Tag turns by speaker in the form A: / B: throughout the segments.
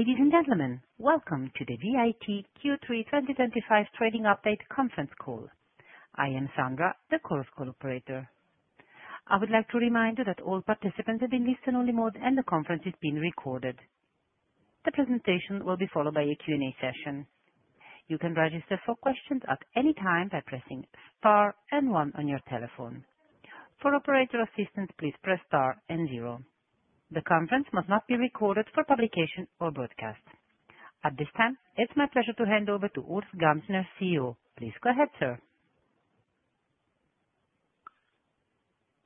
A: Ladies and gentlemen, welcome to the VAT Q3 2025 Trading Update Conference Call. I am Sandra, the [Chorus Call] operator. I would like to remind you that all participants are in listen-only mode, and the conference is being recorded. The presentation will be followed by a Q&A session. You can register for questions at any time by pressing star and one on your telephone. For operator assistance, please press star and zero. The conference must not be recorded for publication or broadcast. At this time, it's my pleasure to hand over to Urs Gantner, CEO. Please go ahead, sir.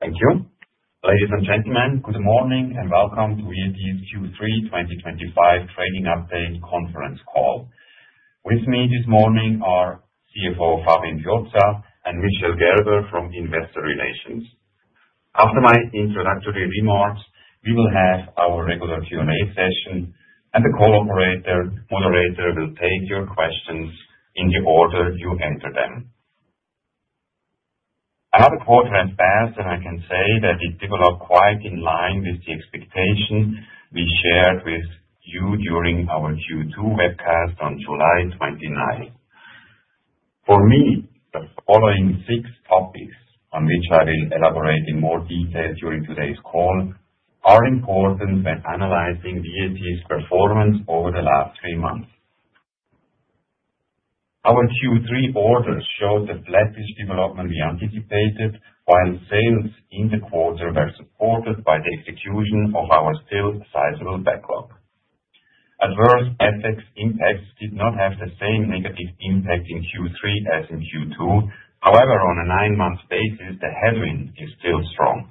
B: Thank you. Ladies and gentlemen, good morning and welcome to VAT Q3 2025 Trading Update Conference Call. With me this morning are CFO Fabian Chiozza and Michel Gerber from Investor Relations. After my introductory remarks, we will have our regular Q&A session, and the call operator, moderator, will take your questions in the order you enter them. [Another quarter has passed], and I can say that it developed quite in line with the expectations we shared with you during our Q2 webcast on July 29th. For me, the following six topics on which I will elaborate in more detail during today's call are important when analyzing VAT's performance over the last three months. Our Q3 order showed the flattish development we anticipated, while sales in the quarter were supported by the execution of our still sizable backlog. Adverse FX impacts did not have the same negative impact in Q3 as in Q2. However, on a nine month basis, the headwind is still strong.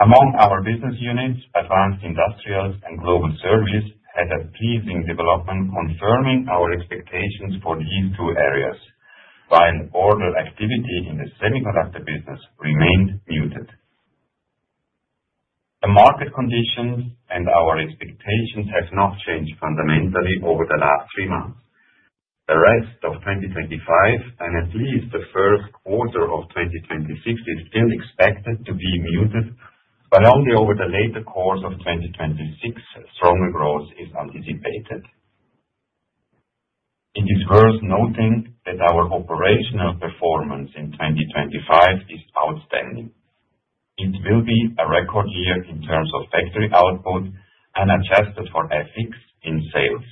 B: Among our business units, Advanced Industrials and Global Service had a pleasing development, confirming our expectations for these two areas, while order activity in the semiconductor business remained muted. The market conditions and our expectations have not changed fundamentally over the last three months. The rest of 2025 and at least the first quarter of 2026 is still expected to be muted, but only over the later course of 2026, stronger growth is anticipated. It is worth noting that our operational performance in 2025 is outstanding. It will be a record year in terms of factory output and adjusted for FX in sales.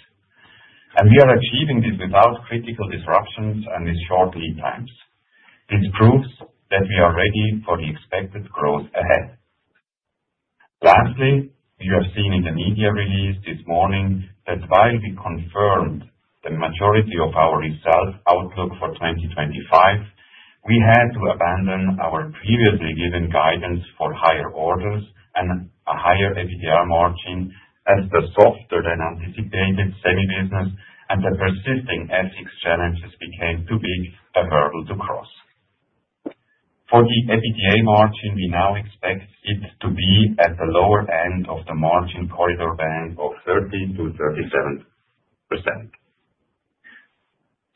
B: And we are achieving this without critical disruptions and with short lead times. This proves that we are ready for the expected growth ahead. Lastly, you have seen in the media release this morning that while we confirmed the majority of our result outlook for 2025. We had to abandon our previously given guidance for higher orders and a higher EBITDA margin as the softer than anticipated semi business and the persisting FX challenges became too big a hurdle to cross. For the EBITDA margin, we now expect it to be at the lower end of the margin corridor band of 30%-37%.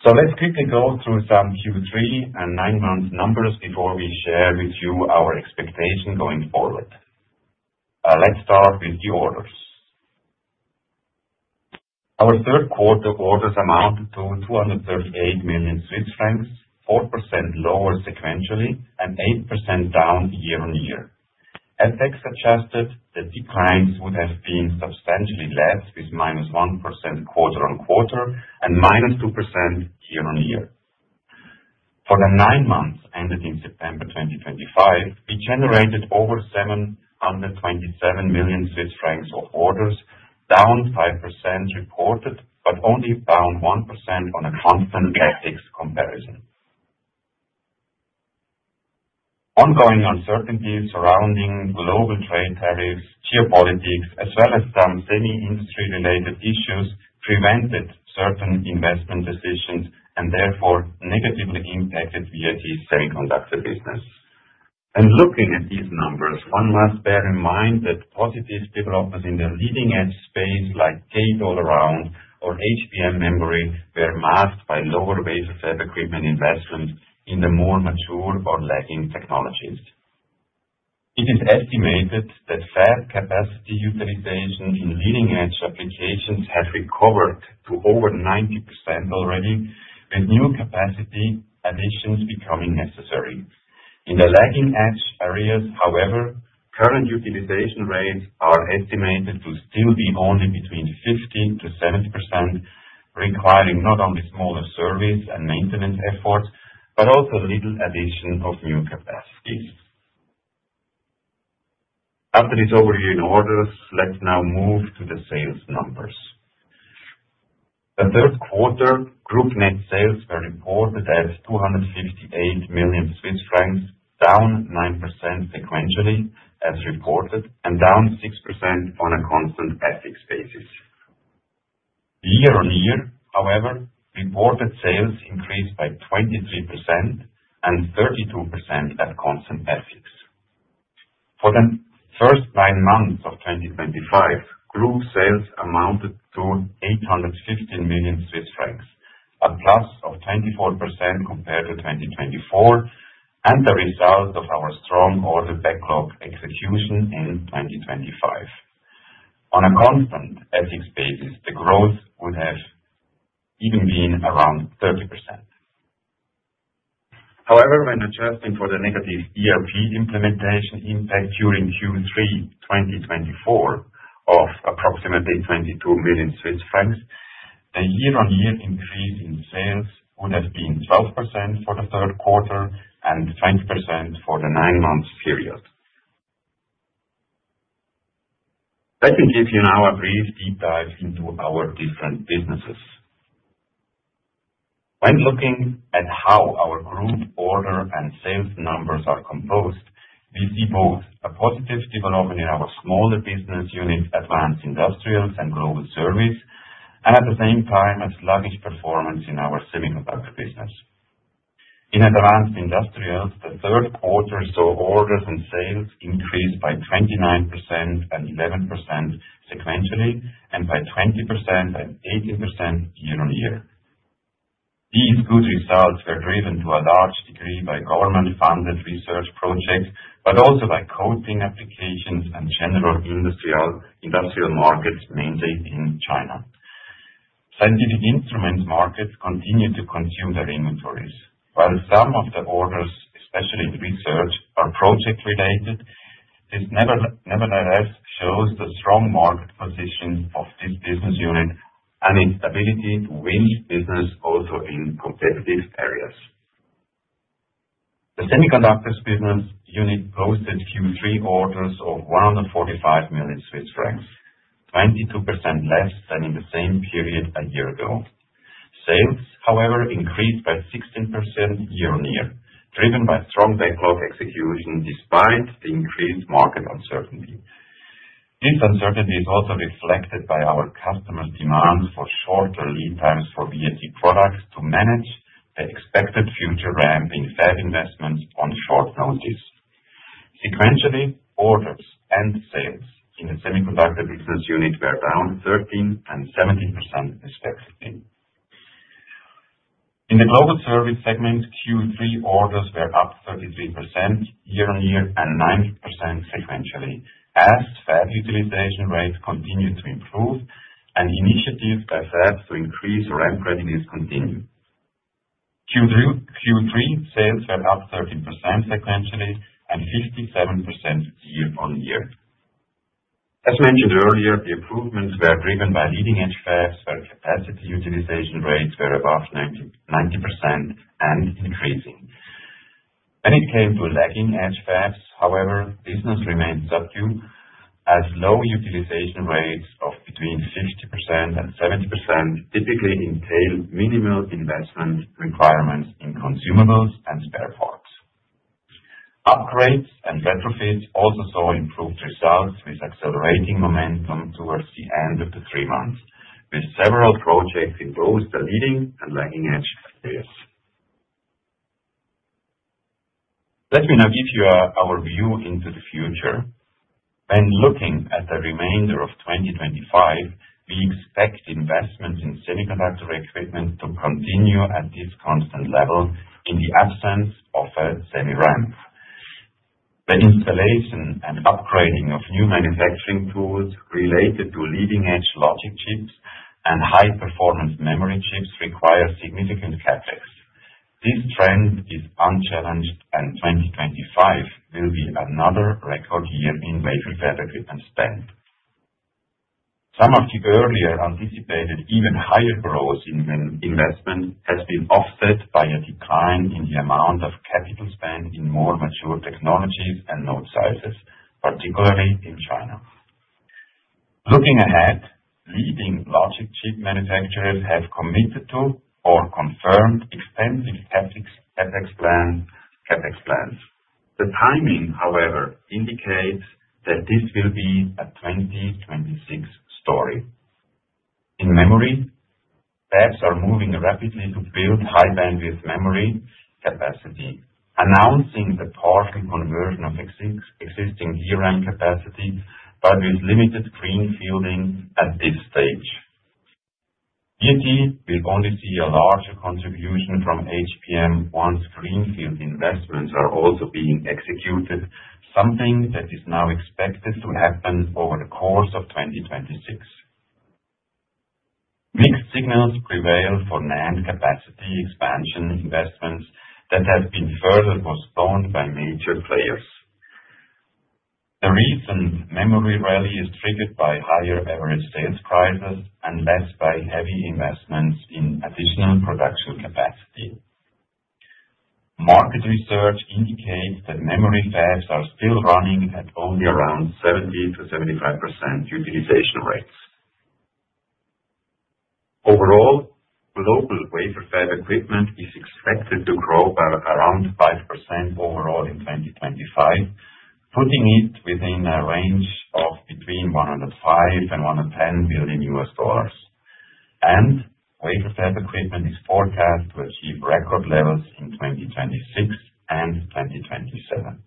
B: So let's quickly go through some Q3 and nine month numbers before we share with you our expectation going forward. Let's start with the orders. Our third quarter orders amount to 238 million Swiss francs, 4% lower sequentially and 8% down year-on-year. FX adjusted, the declines would have been substantially less, with -1% quarter-on-quarter and -2% year-on-year. For the nine months ended in September 2025, we generated over 727 million Swiss francs of orders, down 5% reported, but only down 1% on a constant FX comparison. Ongoing uncertainty surrounding global trade tariffs, geopolitics, as well as some semi industry-related issues prevented certain investment decisions and therefore negatively impacted VAT semiconductor business. And looking at these numbers, one must bear in mind that positive developments in the leading-edge space like Gate-All-Around or HBM memory were masked by lower base of WFE investment in the more mature or lagging technologies. It is estimated that fab capacity utilization in leading-edge applications has recovered to over 90% already, with new capacity additions becoming necessary. In the lagging-edge areas, however, current utilization rates are estimated to still be only between 50%-70%, requiring not only smaller service and maintenance efforts, but also little addition of new capacities. After this overview in orders, let's now move to the sales numbers. The third quarter group net sales were reported as 258 million Swiss francs, down 9% sequentially as reported and down 6% on a constant FX basis. Year-on-year, however, reported sales increased by 23% and 32% at constant FX. For the first nine months of 2025, group sales amounted to 815 million Swiss francs, a plus of 24% compared to 2024, and the result of our strong order backlog execution in 2025. On a constant FX basis, the growth would have even been around 30%. However, when adjusting for the negative ERP implementation impact during Q3 2024 of approximately 22 million Swiss francs, the year-on-year increase in sales would have been 12% for the third quarter and 20% for the nine month period. Let me give you now a brief deep dive into our different businesses. When looking at how our group order and sales numbers are composed, we see both a positive development in our smaller business unit, Advanced Industrials and Global Service, and at the same time a sluggish performance in our semiconductor business. In Advanced Industrials, the third quarter saw orders and sales increase by 29% and 11% sequentially and by 20% and 18% year-on-year. These good results were driven to a large degree by government funded research projects, but also by coating applications and general industrial markets mainly in China. Scientific instrument markets continue to consume their inventories. While some of the orders, especially in research, are project-related, this nevertheless shows the strong market position of this business unit and its ability to win business also in competitive areas. The Semiconductors business unit posted Q3 orders of 145 million Swiss francs, 22% less than in the same period a year ago. Sales, however, increased by 16% year-on-year, driven by strong backlog execution despite the increased market uncertainty. This uncertainty is also reflected by our customers' demands for shorter lead times for VAT products to manage the expected future ramp in fab investments on short notice. Sequentially, orders and sales in the semiconductor business unit were down 13% and 17% respectively. In the Global Service segment, Q3 orders were up 33% year-on-year and 90% sequentially as fab utilization rate continued to improve and initiatives by fab to increase ramp readiness continued. Q3 sales were up 13% sequentially and 57% year-on-year. As mentioned earlier, the improvements were driven by leading-edge fabs where capacity utilization rates were above 90% and increasing. When it came to lagging-edge fabs, however, business remained subdued as low utilization rates of between 50% and 70% typically entail minimal investment requirements in consumables and spare parts. Upgrades and retrofits also saw improved results with accelerating momentum towards the end of the three months, with several projects in both the leading and lagging-edge areas. Let me now give you our view into the future. When looking at the remainder of 2025, we expect investments in Semiconductor equipment to continue at this constant level in the absence of a semi-ramp. The installation and upgrading of new manufacturing tools related to leading-edge logic chips and high-performance memory chips require significant CapEx. This trend is unchallenged, and 2025 will be another record year in VAT equipment spend. Some of the earlier anticipated even higher growth in investment has been offset by a decline in the amount of capital spent in more mature technologies and node sizes, particularly in China. Looking ahead, leading logic chip manufacturers have committed to or confirmed expensive CapEx plans. The timing, however, indicates that this will be a 2026 story. In memory, fabs are moving rapidly to build high-bandwidth memory capacity, announcing the partial conversion of existing DRAM capacity, but with limited greenfielding at this stage. VAT will only see a larger contribution from HBM once greenfield investments are also being executed, something that is now expected to happen over the course of 2026. Mixed signals prevail for NAND capacity expansion investments that have been further postponed by major players. The recent memory rally is triggered by higher average sales prices and less by heavy investments in additional production capacity. Market research indicates that memory fabs are still running at only around 70%-75% utilization rates. Overall, global wafer fab equipment is expected to grow by around 5% overall in 2025, putting it within a range of between $105 billion-$110 billion. And wafer fab equipment is forecast to achieve record levels in 2026 and 2027.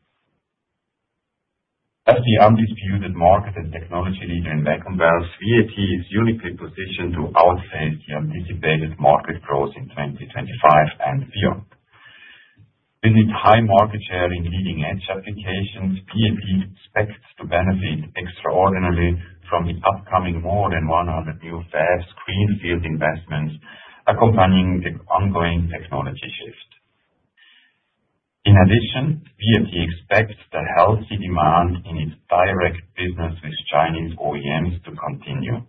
B: As the undisputed market and technology leader in VAT, VAT is uniquely positioned to outpace the anticipated market growth in 2025 and beyond. With its high market share in leading-edge applications, VAT expects to benefit extraordinarily from the upcoming more than 100 new fabs greenfield investments accompanying the ongoing technology shift. In addition, VAT expects the healthy demand in its direct business with Chinese OEMs to continue.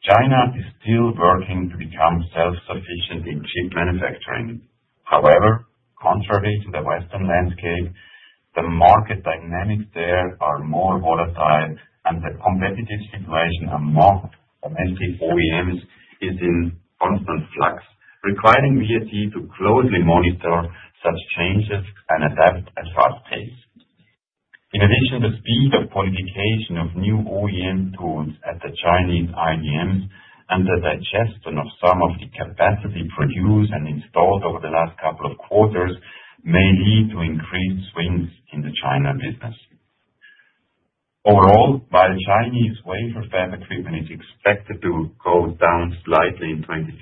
B: China is still working to become self-sufficient in chip manufacturing. However, contrary to the Western landscape, the market dynamics there are more volatile and the competitive situation among domestic OEMs is in constant flux, requiring VAT to closely monitor such changes and adapt at fast pace. In addition, the speed of qualification of new OEM tools at the Chinese IDMs and the digestion of some of the capacity produced and installed over the last couple of quarters may lead to increased swings in the China business. Overall, while Chinese Wafer fab equipment is expected to go down slightly in 2026,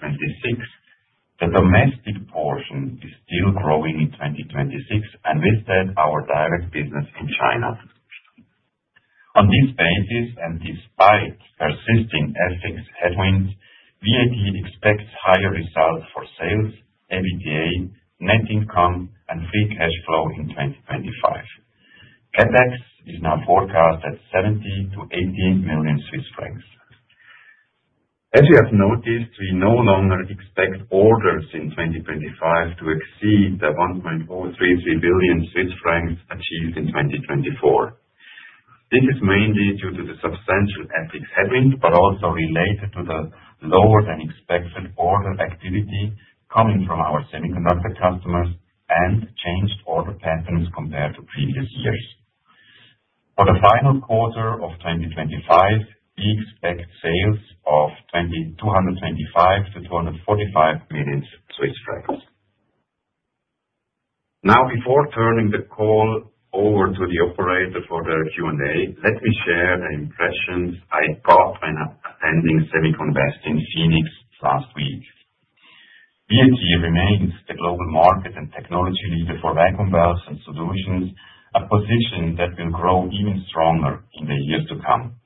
B: the domestic portion is still growing in 2026. And with that, our direct business in China. On this basis, and despite persisting FX headwinds, VAT expects higher results for sales, EBITDA, net income, and free cash flow in 2025. CapEx is now forecast at 70 million-80 million Swiss francs. As you have noticed, we no longer expect orders in 2025 to exceed the 1.433 billion Swiss francs achieved in 2024. This is mainly due to the substantial FX headwinds, but also related to the lower than expected order activity coming from our Semiconductor customers and changed order patterns compared to previous years. For the final quarter of 2025, we expect sales of CHF 225 million-CHF 245 million. Now, before turning the call over to the operator for the Q&A, let me share the impressions I got when attending SEMICON West in Phoenix last week. VAT remains the global market and technology leader for Vacuum valves and solutions, a position that will grow even stronger in the years to come.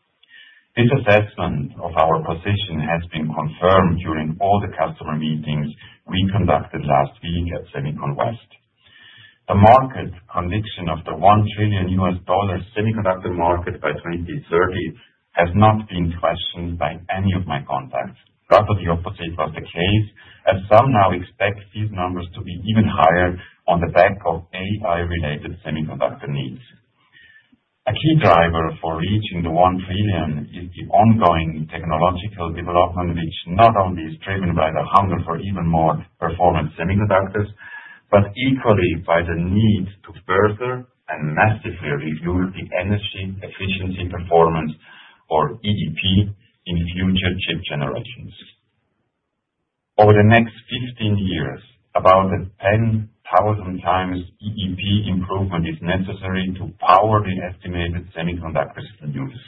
B: This assessment of our position has been confirmed during all the customer meetings we conducted last week at SEMICON West. The market condition of the $1 trillion Semiconductor Market by 2030 has not been questioned by any of my contacts. Rightly opposite was the case, as some now expect these numbers to be even higher on the back of AI-related Semiconductor needs. A key driver for reaching the $1 trillion is the ongoing technological development, which not only is driven by the hunger for even more performance Semiconductors, but equally by the need to further and massively review the Energy Efficiency Performance, or EEP, in future chip generations. Over the next 15 years, about a 10,000 times EEP improvement is necessary to power the estimated Semiconductors in use.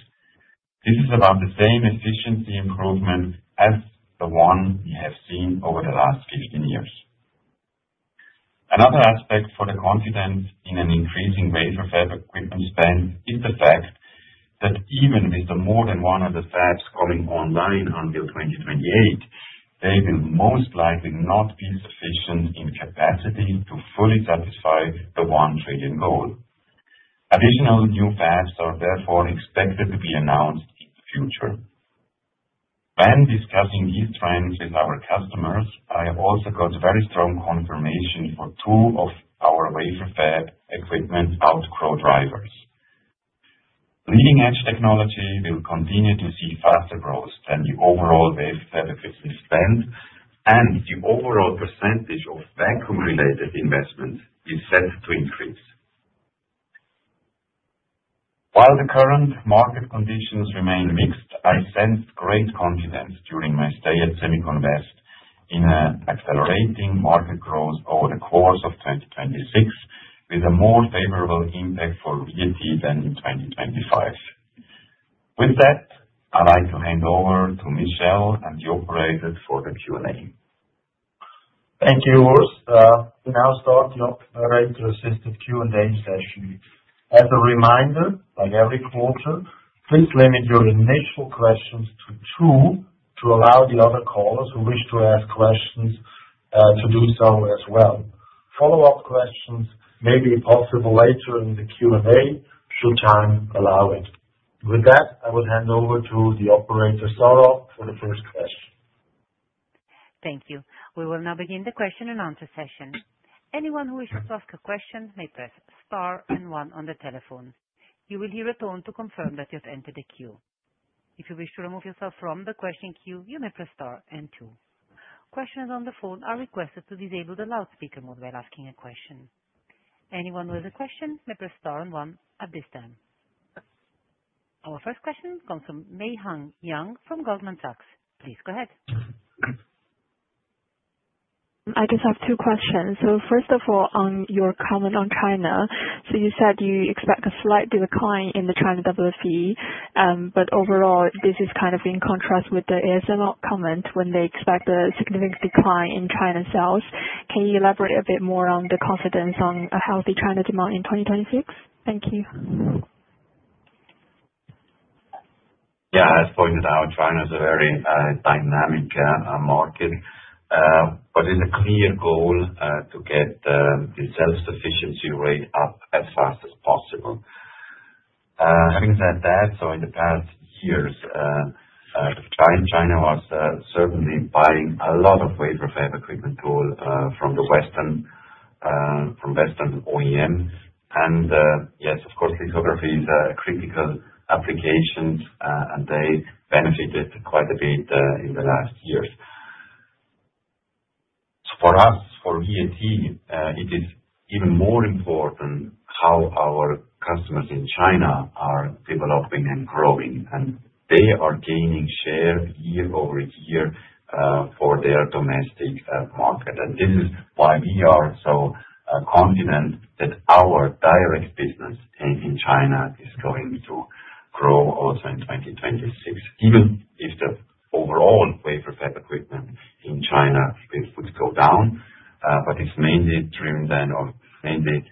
B: This is about the same efficiency improvement as the one we have seen over the last 15 years. Another aspect for the confidence in an increasing wafer fab equipment spend is the fact that even with the more than 100 fabs coming online until 2028. They will most likely not be sufficient in capacity to fully satisfy the 1 trillion goal. Additional new fabs are therefore expected to be announced in the future. When discussing these trends with our customers, I also got very strong confirmation for two of our wafer fab equipment outgrow drivers. Leading-edge technology will continue to see faster growth than the overall wafer fab efficiency spend. And the overall percentage of vacuum-related investments is set to increase. While the current market conditions remain mixed, I sensed great confidence during my stay at SEMICON West in an accelerating market growth over the course of 2026, with a more favorable impact for VAT than in 2025. With that, I'd like to hand over to Michel and the operator for the Q&A.
C: Thank you, Urs Gantner. We now start the operator-assisted Q&A session. As a reminder, like every quarter, please limit your initial questions to two to allow the other callers who wish to ask questions to do so as well. Follow up questions may be possible later in the Q&A should time allow it. With that, I would hand over to the operator, Sarah, for the first question.
A: Thank you. We will now begin the question and answer session. Anyone who wishes to ask a question may press star and one on the telephone. You will hear a tone to confirm that you've entered the queue. If you wish to remove yourself from the question queue, you may press star and two. Questions on the phone are requested to disable the loudspeaker mode while asking a question. Anyone with a question may press star and one at this time. Our first question comes from Meihan Yang from Goldman Sachs. Please go ahead.
D: I just have two questions. So first of all, on your comment on China, so you said you expect a slight decline in the China WFE. But overall, this is kind of in contrast with the ASML comment when they expect a significant decline in China sales. Can you elaborate a bit more on the confidence on a healthy China demand in 2026? Thank you.
B: Yeah, as pointed out, China is a very dynamic market, but it's a clear goal to get the self-sufficiency rate up as fast as possible. Having said that, so in the past years, China was certainly buying a lot of wafer fab equipment tool from the Western OEM. And yes, of course, lithography is a critical application, and they benefited quite a bit in the last years. So for us, for VAT, it is even more important how our customers in China are developing and growing, and they are gaining share year-over-year for their domestic market. And this is why we are so confident that our direct business in China is going to grow also in 2026, even if the overall wafer fab equipment in China would go down, but it's mainly trimmed and mainly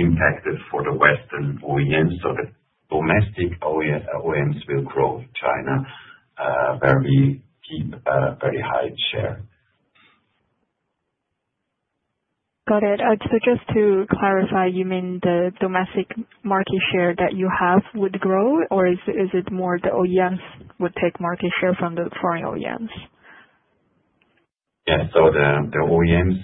B: impacted for the Western OEMs so that domestic OEMs will grow in China where we keep a very high share.
D: Got it. So just to clarify, you mean the domestic market share that you have would grow, or is it more the OEMs would take market share from the foreign OEMs?
B: Yes. So the OEMs,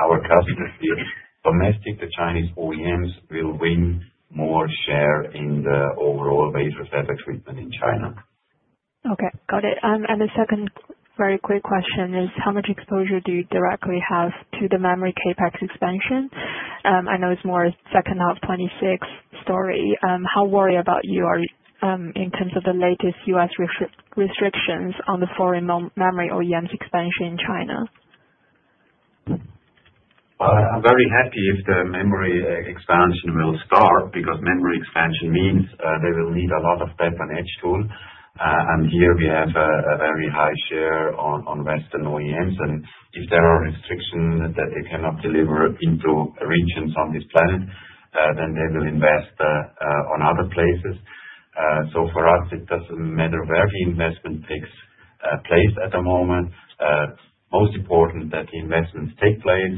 B: our customers, the domestic, the Chinese OEMs will win more share in the overall wafer fab equipment in China.
D: Okay. Got it. And the second very quick question is, how much exposure do you directly have to the memory CapEx expansion? I know it's more a second half 2026 story. How worried are you about the latest U.S. restrictions on the foreign memory OEMs expansion in China?
B: I'm very happy if the memory expansion will start because Memory Expansion means they will need a lot of depo and etch tools. And here we have a very high share on Western OEMs. And if there are restrictions that they cannot deliver into regions on this planet, then they will invest in other places. So for us, it doesn't matter where the investment takes place at the moment. Most important that the investments take place.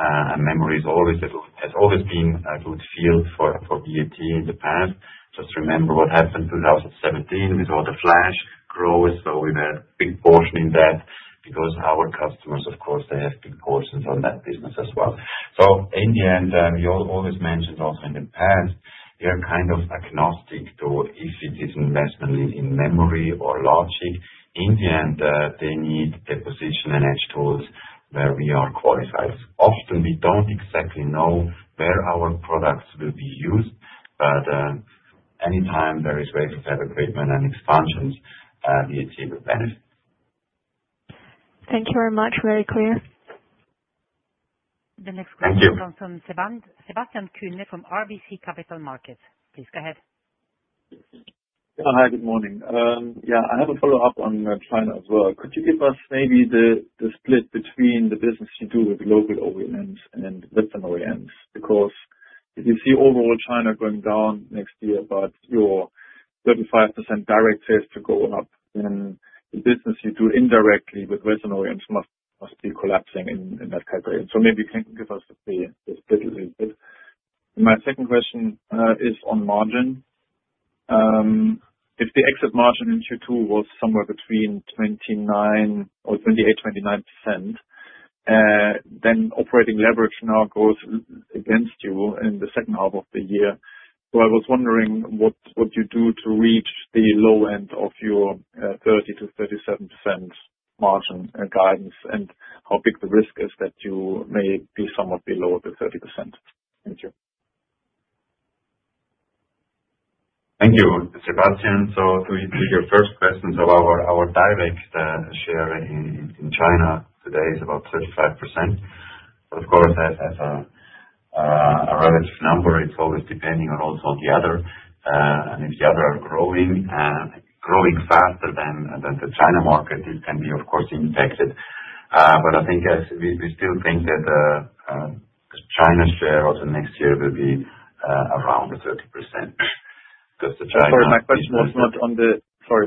B: And Memory has always been a good field for VAT in the past. Just remember what happened in 2017 with all the flash growth. So we were a big portion in that because our customers, of course, they have big portions on that business as well. So in the end, we always mentioned also in the past, we are kind of agnostic to if it is investment in Memory or Logic. In the end, they need the deposition and edge tools where we are qualified. Often we don't exactly know where our products will be used, but anytime there is wafer fab equipment and expansions, VAT will benefit.
D: Thank you very much. Very clear.
A: The next question comes from Sebastian Kuenne from RBC Capital Markets. Please go ahead.
E: Hi, good morning. Yeah, I have a follow up on China as well. Could you give us maybe the split between the business you do with local OEMs and Western OEMs? Because if you see overall China going down next year, but your 35% direct sales to go up, then the business you do indirectly with Western OEMs must be collapsing in that type of way. So maybe you can give us the split a little bit. My second question is on margin. If the exit margin in Q2 was somewhere between 28%-29%, then operating leverage now goes against you in the second half of the year. So I was wondering what you do to reach the low end of your 30%-37% margin guidance and how big the risk is that you may be somewhat below the 30%? Thank you.
B: Thank you, Sebastian. So to your first question, so our direct share in China today is about 35%. But of course, as a relative number, it's always depending on also on the other. And if the other are growing faster than the China market, it can be, of course, impacted. But I think we still think that the China share also next year will be around 30% because the China...
E: Sorry, my question was not on the. Sorry,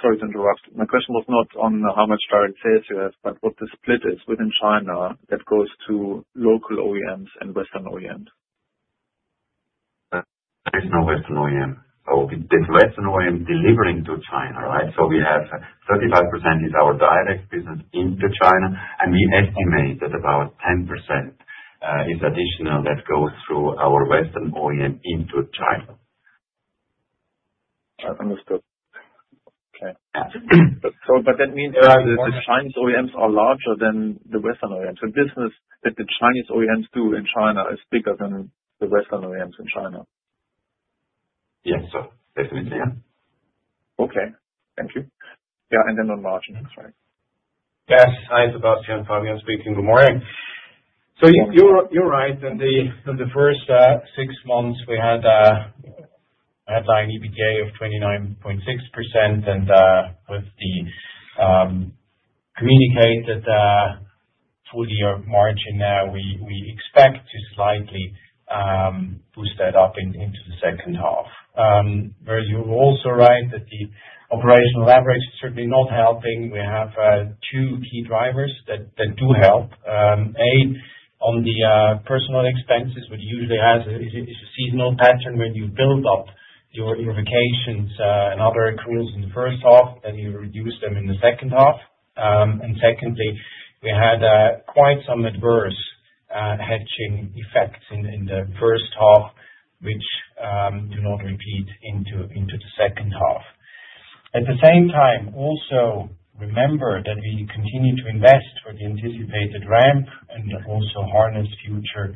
E: sorry to interrupt. My question was not on how much direct sales you have, but what the split is within China that goes to local OEMs and Western OEMs.
B: There is no Western OEM. So it's Western OEM delivering to China, right? So we have 35% is our direct business into China, and we estimate that about 10% is additional that goes through our Western OEM into China.
E: I understood. Okay. But that means that the Chinese OEMs are larger than the Western OEMs. The business that the Chinese OEMs do in China is bigger than the Western OEMs in China.
B: Yes, definitely. Yeah.
E: Okay. Thank you. Yeah. And then on margin, that's right.
F: Yes. Hi, Sebastian. fabian speaking. Good morning. So you're right. In the first six months, we had a headline EBITDA of 29.6%, and with the communicated full year margin now, we expect to slightly boost that up into the second half. Whereas you're also right that the operational average is certainly not helping. We have two key drivers that do help. A, on the personnel expenses, which usually has a seasonal pattern when you build up your vacations and other accruals in the first half, then you reduce them in the second half. And secondly, we had quite some adverse hedging effects in the first half, which do not repeat into the second half. At the same time, also remember that we continue to invest for the anticipated ramp and also harness future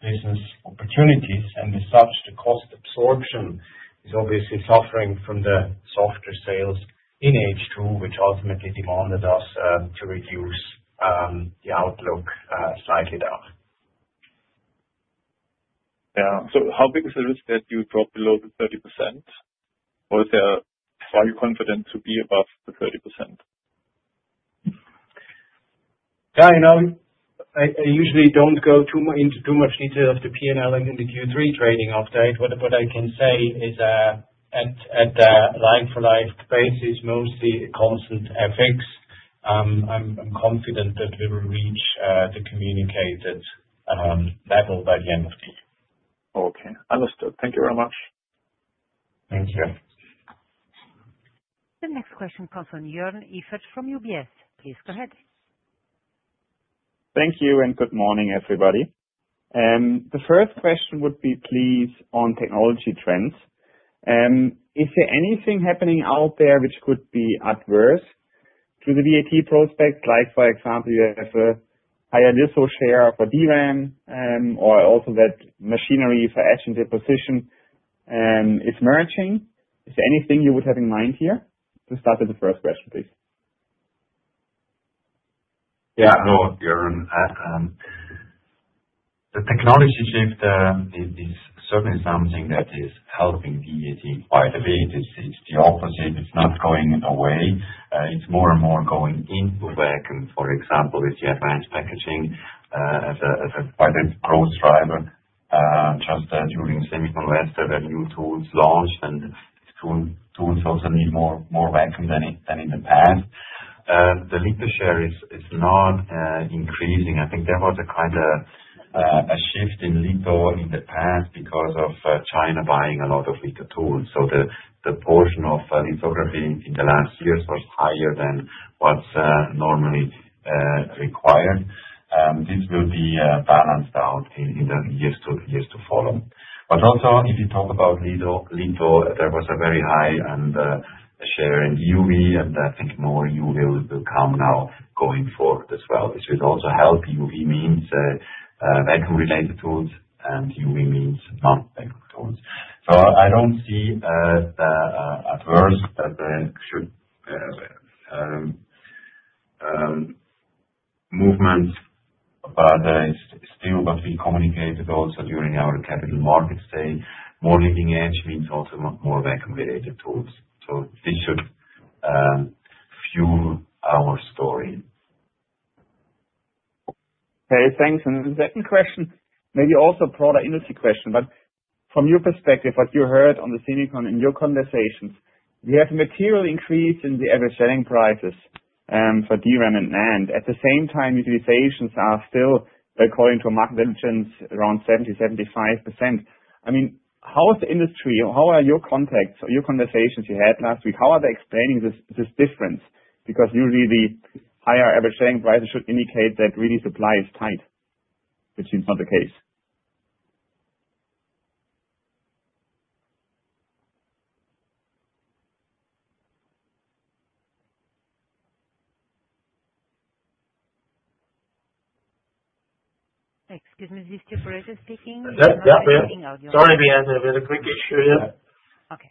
F: business opportunities, and as such, the cost absorption is obviously suffering from the softer sales in H2, which ultimately demanded us to reduce the outlook slightly down.
E: Yeah. So how big is the risk that you drop below the 30%? Or is there why you're confident to be above the 30%?
F: Yeah. I usually don't go into too much detail of the P&L and the Q3 trading update. What I can say is, at a like-for-like basis, mostly a constant FX. I'm confident that we will reach the communicated level by the end of the year.
E: Okay. Understood. Thank you very much.
F: Thank you.
A: The next question comes from Joern Iffert from UBS. Please go ahead.
G: Thank you and good morning, everybody. The first question would be, please, on technology trends. Is there anything happening out there which could be adverse to the VAT prospect, like, for example, you have a higher Litho share for DRAM, or also that machinery for edge and deposition is emerging? Is there anything you would have in mind here? To start with the first question, please.
B: Yeah. No, Joern. The technology shift is certainly something that is helping VAT quite a bit. It's the opposite. It's not going away. It's more and more going into vacuum. For example, with the advanced packaging as quite a growth driver, just during SEMICON West, there were new tools launched, and tools also need more vacuum than in the past. The Litho share is not increasing. I think there was a kind of shift in Litho in the past because of China buying a lot of Litho tools. So the portion of Litho in the last years was higher than what's normally required. This will be balanced out in the years to follow. But also, if you talk about Litho, there was a very high share in EUV, and I think more EUV will come now going forward as well. This will also help. EUV means vacuum-related tools and EUV means non-vacuum tools. So I don't see the adverse movement, but it's still what we communicated also during our capital markets day. More leading-edge means also more vacuum-related tools. So this should fuel our story.
G: Okay. Thanks. And the second question, maybe also a broader industry question, but from your perspective, what you heard on the SEMICON in your conversations, we have a material increase in the average selling prices for DRAM and NAND. At the same time, utilizations are still, according to market intelligence, around 70%-75%. I mean, how is the industry? How are your contacts or your conversations you had last week? How are they explaining this difference? Because usually, the higher average selling prices should indicate that really supply is tight, which is not the case.
A: Excuse me, is this Joern Iffert speaking?
F: Yep. Sorry, we had a quick issue here.
B: Okay.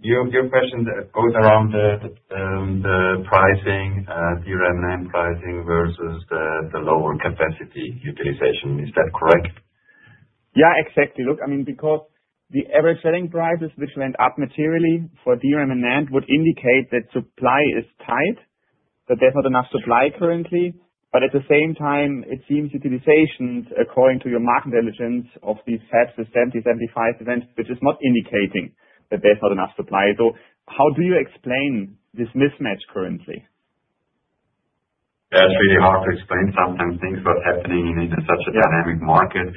B: Your question goes around the pricing, DRAM and NAND pricing versus the lower capacity utilization. Is that correct?
G: Yeah, exactly. Look, I mean, because the average selling prices, which went up materially for DRAM and NAND, would indicate that supply is tight, that there's not enough supply currently. But at the same time, it seems utilizations, according to your market intelligence of these fab systems, these 75%, which is not indicating that there's not enough supply. So how do you explain this mismatch currently?
B: That's really hard to explain. Sometimes things, what's happening in such a dynamic market.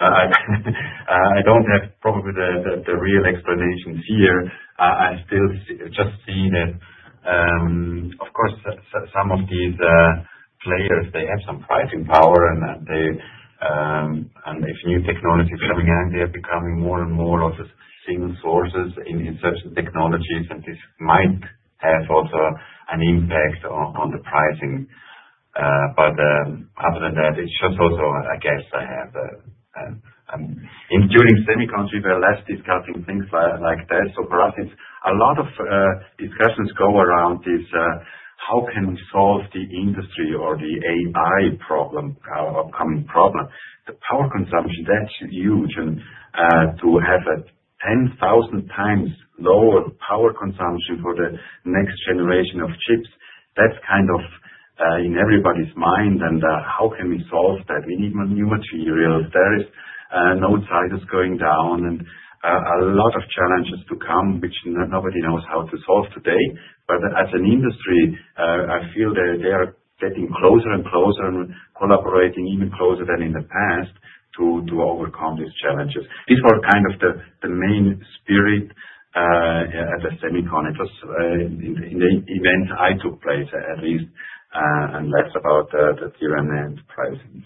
B: I don't have probably the real explanations here. I still just see that, of course, some of these players, they have some pricing power, and if new technology is coming out, they're becoming more and more of a single source in certain technologies, and this might have also an impact on the pricing. But other than that, it's just also, I guess, I have during SEMICON, we were less discussing things like this. So for us, it's a lot of discussions go around this, how can we solve the industry or the AI problem, upcoming problem? The power consumption, that's huge. And to have a 10,000 times lower power consumption for the next generation of chips, that's kind of in everybody's mind. And how can we solve that? We need new materials. There is node sizes going down and a lot of challenges to come, which nobody knows how to solve today. But as an industry, I feel they are getting closer and closer and collaborating even closer than in the past to overcome these challenges. These were kind of the main spirit at the SEMICON West. It was in the events that took place, at least, and less about the DRAM and NAND pricing.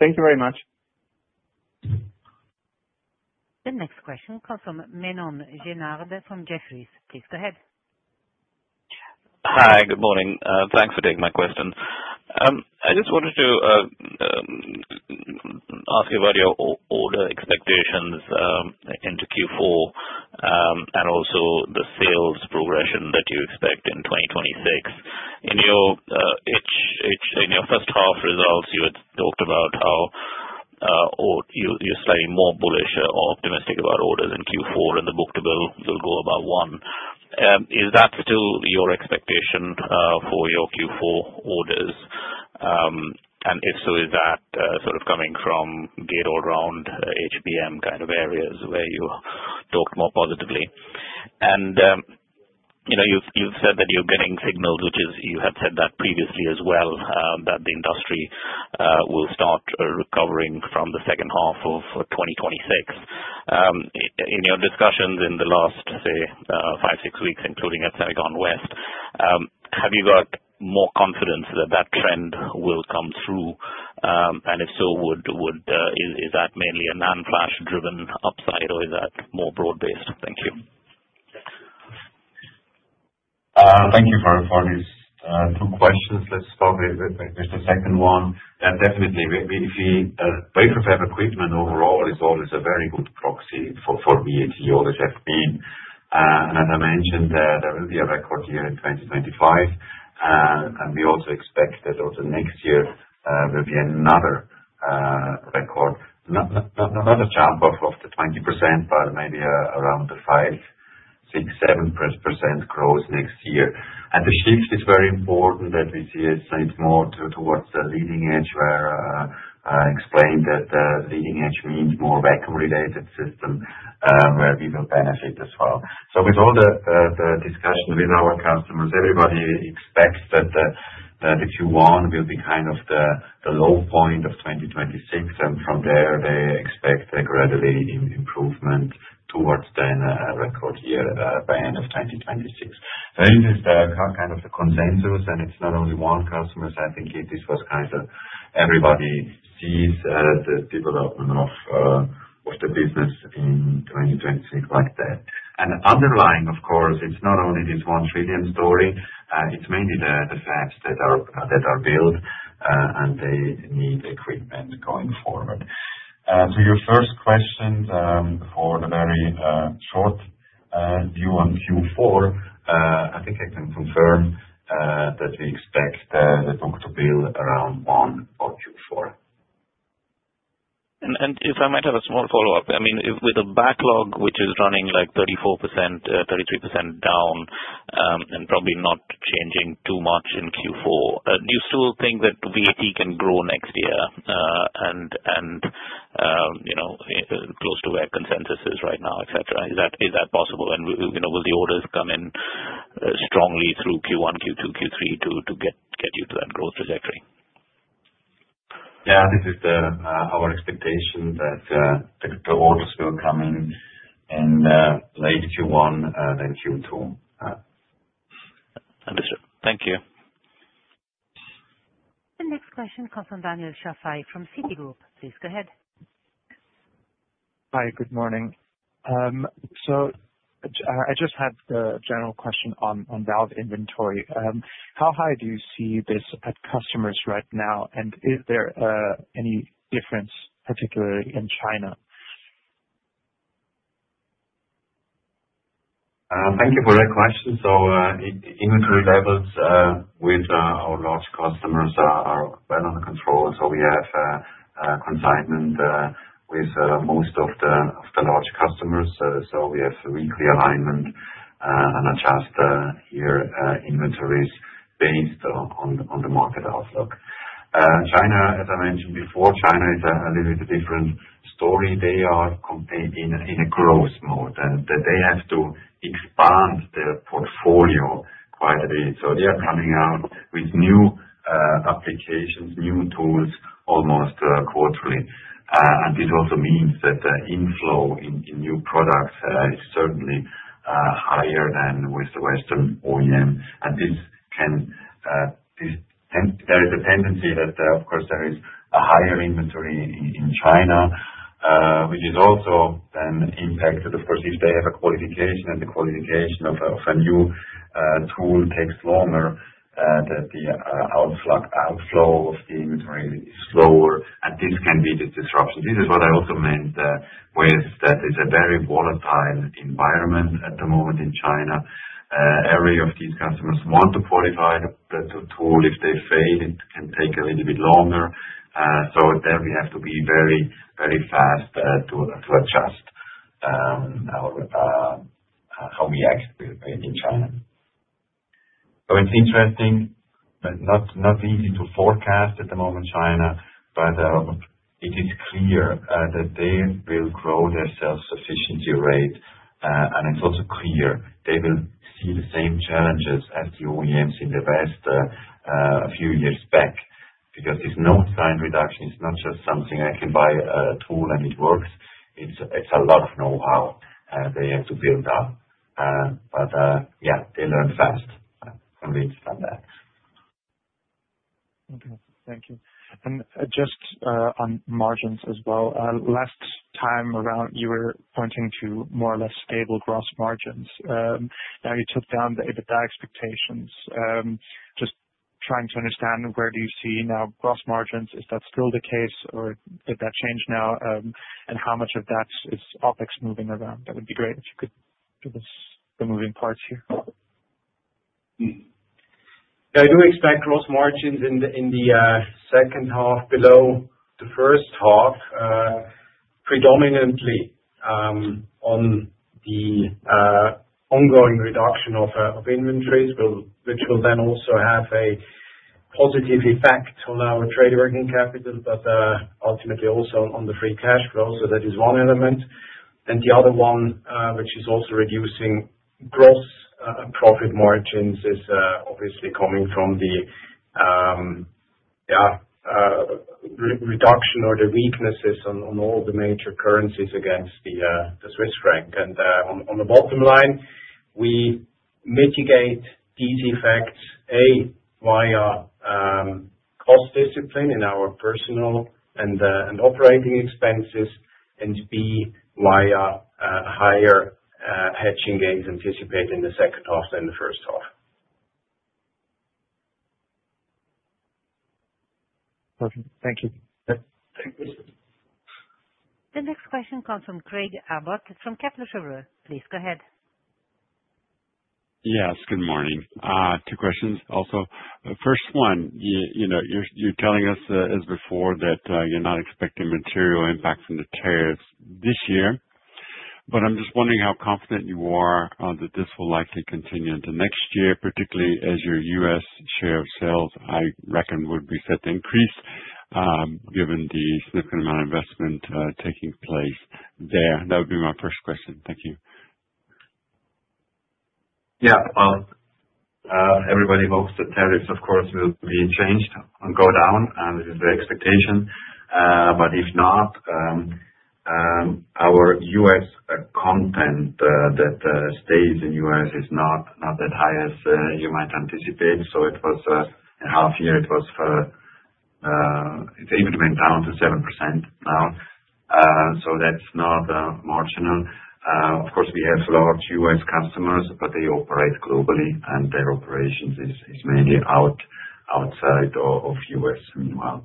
G: Thank you very much.
A: The next question comes from Menon Janardan from Jefferies. Please go ahead.
H: Hi, good morning. Thanks for taking my question. I just wanted to ask you about your order expectations into Q4 and also the sales progression that you expect in 2026. In your first half results, you had talked about how you're staying more bullish or optimistic about orders in Q4, and the book-to-bill will go about one. Is that still your expectation for your Q4 orders? And if so, is that sort of coming from Gate-All-Around HBM kind of areas where you talked more positively? And you've said that you're getting signals, which is you had said that previously as well, that the industry will start recovering from the second half of 2026. In your discussions in the last, say, five, six weeks, including at SEMICON West, have you got more confidence that that trend will come through? And if so, is that mainly a non-flash driven upside, or is that more broad-based? Thank you.
B: Thank you for these two questions. Let's start with the second one. Definitely, if you wait for better equipment overall, it's always a very good proxy for VAT, or it has been. And as I mentioned, there will be a record year in 2025. And we also expect that over the next year, there will be another record, not a jump of the 20%, but maybe around the 5%, 6%, 7% growth next year. And the shift is very important that we see it's more towards the leading-edge, where I explained that the leading-edge means more vacuum-related system where we will benefit as well. So with all the discussion with our customers, everybody expects that Q1 will be kind of the low point of 2026. And from there, they expect a gradual improvement towards then a record year by end of 2026. There is this kind of consensus, and it's not only one customer's. I think this was kind of everybody sees the development of the business in 2026 like that, and underlying, of course, it's not only this 1 trillion story. It's mainly the fabs that are built, and they need equipment going forward. To your first question, for the very short view on Q4, I think I can confirm that we expect the book-to-bill around one for Q4,.
H: And if I might have a small follow-up, I mean, with a backlog which is running like 34%, 33% down, and probably not changing too much in Q4, do you still think that VAT can grow next year and close to where consensus is right now, etc.? Is that possible, and will the orders come in strongly through Q1, Q2, Q3 to get you to that growth trajectory?
B: Yeah. This is our expectation that the orders will come in late Q1, then Q2.
H: Understood. Thank you.
A: The next question comes from Daniel Schafei from Citigroup. Please go ahead.
I: Hi, good morning. So I just had the general question on Valve inventory. How high do you see this at customers right now? And is there any difference, particularly in China?
B: Thank you for that question. So inventory levels with our large customers are well under control. So we have consignment with most of the large customers. So we have weekly alignment and adjust their inventories based on the market outlook. China, as I mentioned before, China is a little bit different story. They are in a growth mode, and they have to expand their portfolio quite a bit. So they are coming out with new applications, new tools almost quarterly. And this also means that the inflow in new products is certainly higher than with the Western OEM. And there is a tendency that, of course, there is a higher inventory in China, which is also then impacted. Of course, if they have a qualification, and the qualification of a new tool takes longer, that the outflow of the inventory is slower. And this can be the disruption. This is what I also meant with that it's a very volatile environment at the moment in China. Every of these customers want to qualify the tool. If they fail, it can take a little bit longer. So there we have to be very, very fast to adjust how we act in China. So it's interesting, not easy to forecast at the moment in China, but it is clear that they will grow their self-sufficiency rate. And it's also clear they will see the same challenges as the OEMs in the West a few years back because this node size reduction is not just something I can buy a tool and it works. It's a lot of know-how they have to build up. But yeah, they learn fast from this.
I: Thank you. And just on margins as well, last time around, you were pointing to more or less stable gross margins. Now you took down the EBITDA expectations. Just trying to understand where do you see now gross margins? Is that still the case, or did that change now? And how much of that is OpEx moving around? That would be great if you could give us the moving parts here.
F: I do expect gross margins in the second half below the first half, predominantly on the ongoing reduction of inventories, which will then also have a positive effect on our trade working capital, but ultimately also on the free cash flow. So that is one element. And the other one, which is also reducing gross profit margins, is obviously coming from the reduction or the weaknesses on all the major currencies against the Swiss franc. And on the bottom line, we mitigate these effects, A, via cost discipline in our personnel and operating expenses, and B, via higher hedging gains anticipated in the second half than the first half.
I: Perfect. Thank you.
F: Thank you.
A: The next question comes from Craig Abbott from Kepler Cheuvreux. Please go ahead.
J: Yes, good morning. Two questions also. First one, you're telling us, as before, that you're not expecting material impact from the tariffs this year. But I'm just wondering how confident you are that this will likely continue into next year, particularly as your U.S. share of sales, I reckon would be set to increase given the significant amount of investment taking place there. That would be my first question. Thank you.
B: Yeah. Well, everybody hopes the tariffs, of course, will be changed and go down. This is the expectation. But if not, our U.S. content that stays in the U.S. is not that high as you might anticipate. So in half year, it was able to be down to 7% now. So that's not marginal. Of course, we have large U.S. customers, but they operate globally, and their operations is mainly outside of the U.S. meanwhile.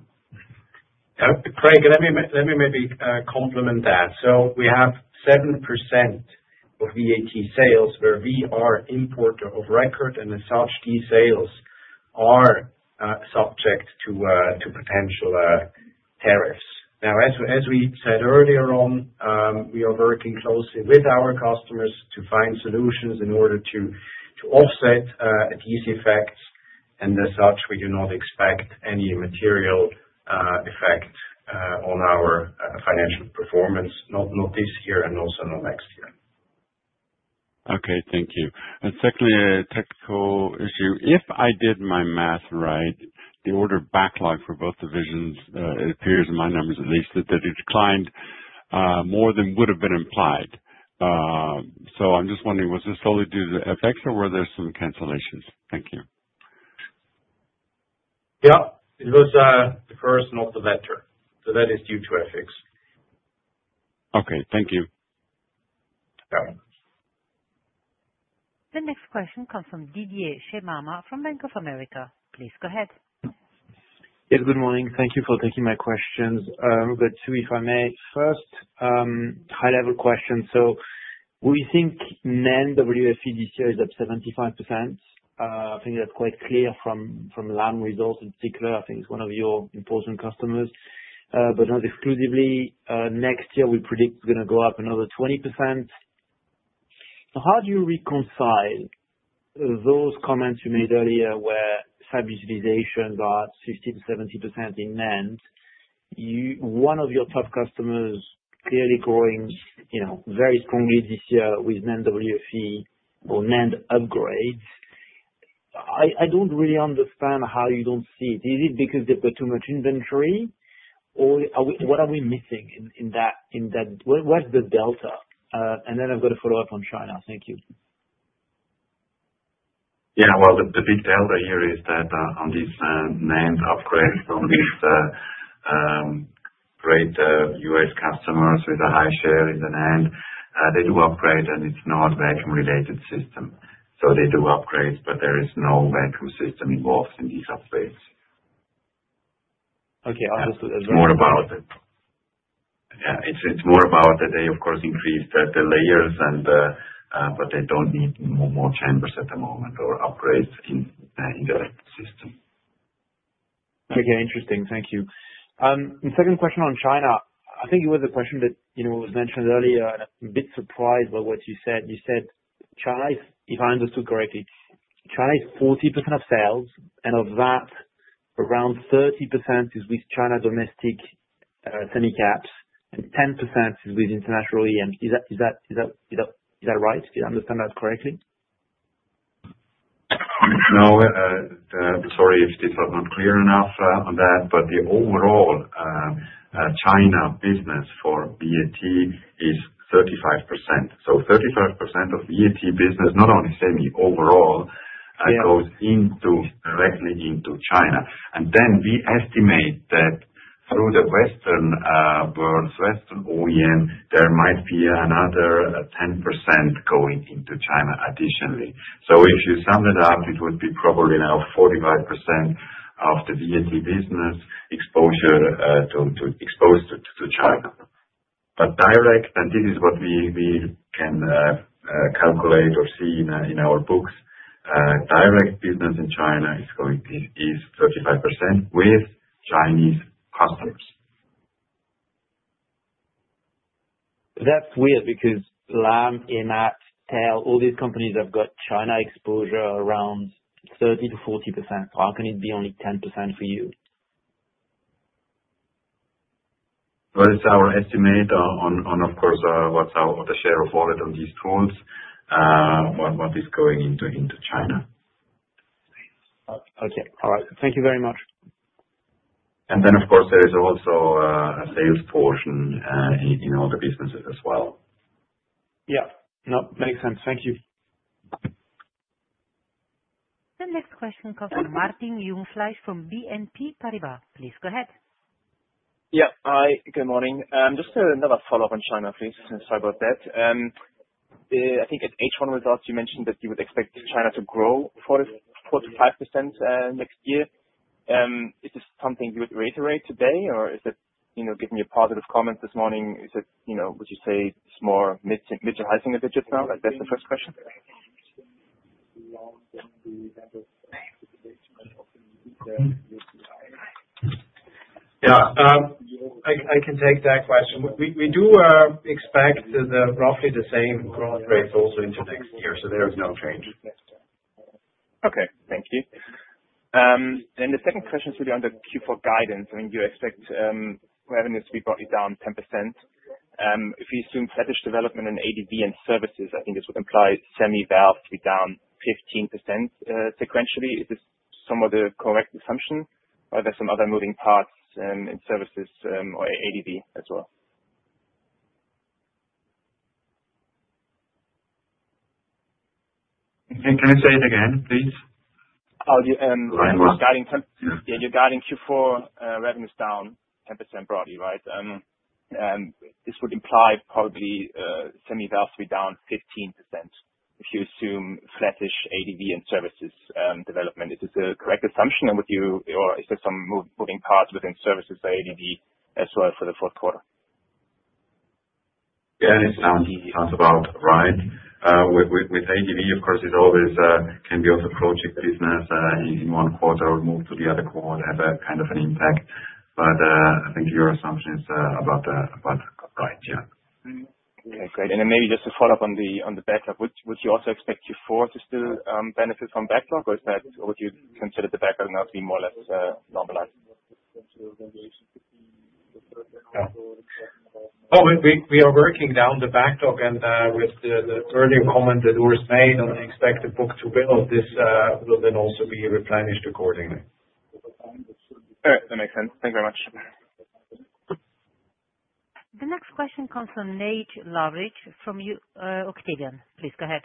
F: Craig, let me maybe complement that. So we have 7% of VAT sales where we are import of record, and as such these sales are subject to potential tariffs. Now, as we said earlier on, we are working closely with our customers to find solutions in order to offset these effects. And as such, we do not expect any material effect on our financial performance, not this year and also not next year.
J: Okay. Thank you. And secondly, a technical issue. If I did my math right, the order backlog for both divisions, it appears in my numbers at least, that it declined more than would have been implied. So I'm just wondering, was this solely due to FX, or were there some cancellations? Thank you.
F: Yeah. It was the first, not the latter. So that is due to FX.
J: Okay. Thank you.
A: The next question comes from Didier Scemama from Bank of America. Please go ahead.
K: Yes, good morning. Thank you for taking my questions, but if I may, first, high-level question, so we think NAND WFE this year is up 75%. I think that's quite clear from Lam Research results in particular. I think it's one of your important customers, but not exclusively, next year, we predict it's going to go up another 20%. So how do you reconcile those comments you made earlier where fab utilizations are 50%-70% in NAND? One of your top customers clearly growing very strongly this year with NAND WFE or NAND upgrades. I don't really understand how you don't see it. Is it because they've got too much inventory, or what are we missing in that? Where's the delta, and then I've got to follow up on China. Thank you.
B: Yeah. The big delta here is that on these NAND upgrades on these great U.S. customers with a high share in the NAND, they do upgrade, and it's not a vacuum-related system. So they do upgrades, but there is no vacuum system involved in these upgrades.
K: Okay. I'll just address that.
B: Yeah. It's more about that they, of course, increase the layers, but they don't need more chambers at the moment or upgrades in the system.
K: Okay. Interesting. Thank you. The second question on China, I think it was a question that was mentioned earlier, and I'm a bit surprised by what you said. You said China, if I understood correctly, China is 40% of sales, and of that, around 30% is with China domestic semi caps, and 10% is with international OEM. Is that right? Did I understand that correctly?
B: No. Sorry if this was not clear enough on that, but the overall China business for VAT is 35%. So 35% of VAT business, not only semi overall, goes directly into China. And then we estimate that through the Western world, Western OEM, there might be another 10% going into China additionally. So if you sum that up, it would be probably now 45% of the VAT business exposure to China. But direct, and this is what we can calculate or see in our books. Direct business in China is 35% with Chinese customers.
K: That's weird because Lam all these companies have got China exposure around 30%-40%. How can it be only 10% for you?
B: Well, it's our estimate on, of course, what's the share of all of these tools, what is going into China.
K: Okay. All right. Thank you very much.
B: And then, of course, there is also a sales portion in all the businesses as well.
K: Yeah. No, makes sense. Thank you.
A: The next question comes from Martin Jungfleisch from BNP Paribas. Please go ahead.
L: Yeah. Hi, good morning. Just another follow up on China, please, just about that. I think at H1 results, you mentioned that you would expect China to grow 4%-5% next year. Is this something you would reiterate today, or is it giving you positive comments this morning? Would you say it's more mid-high single-digits now? That's the first question.
F: Yeah. I can take that question. We do expect roughly the same growth rates also into next year, so there is no change.
L: Okay. Thank you. Then the second question is really on the Q4 guidance. I mean, you expect revenues to be brought down 10%. If we assume flat development and ADV and services, I think this would imply Semi valves to be down 15% sequentially. Is this somewhat the correct assumption, or are there some other moving parts in services or ADV as well?
F: Can you say it again, please?
L: Yeah. You're guiding Q4 revenues down 10% broadly, right? This would imply probably Semi valves to be down 15% if you assume flattish ADV and services development. Is this a correct assumption, or is there some moving parts within services or ADV as well for the fourth quarter?
B: Yeah. It sounds about right. With ADV, of course, it always can be also project business in one quarter or move to the other quarter, have kind of an impact. But I think your assumption is about right, yeah.
L: Okay. Great. And then maybe just to follow up on the backlog, would you also expect Q4 to still benefit from backlog, or would you consider the backlog now to be more or less normalized?
F: Oh, we are working down the backlog, and with the earlier comment that was made on the expected book-to-bill, this will then also be replenished accordingly.
L: All right. That makes sense. Thank you very much.
A: The next question comes from Nejc Lavric from Octavian. Please go ahead.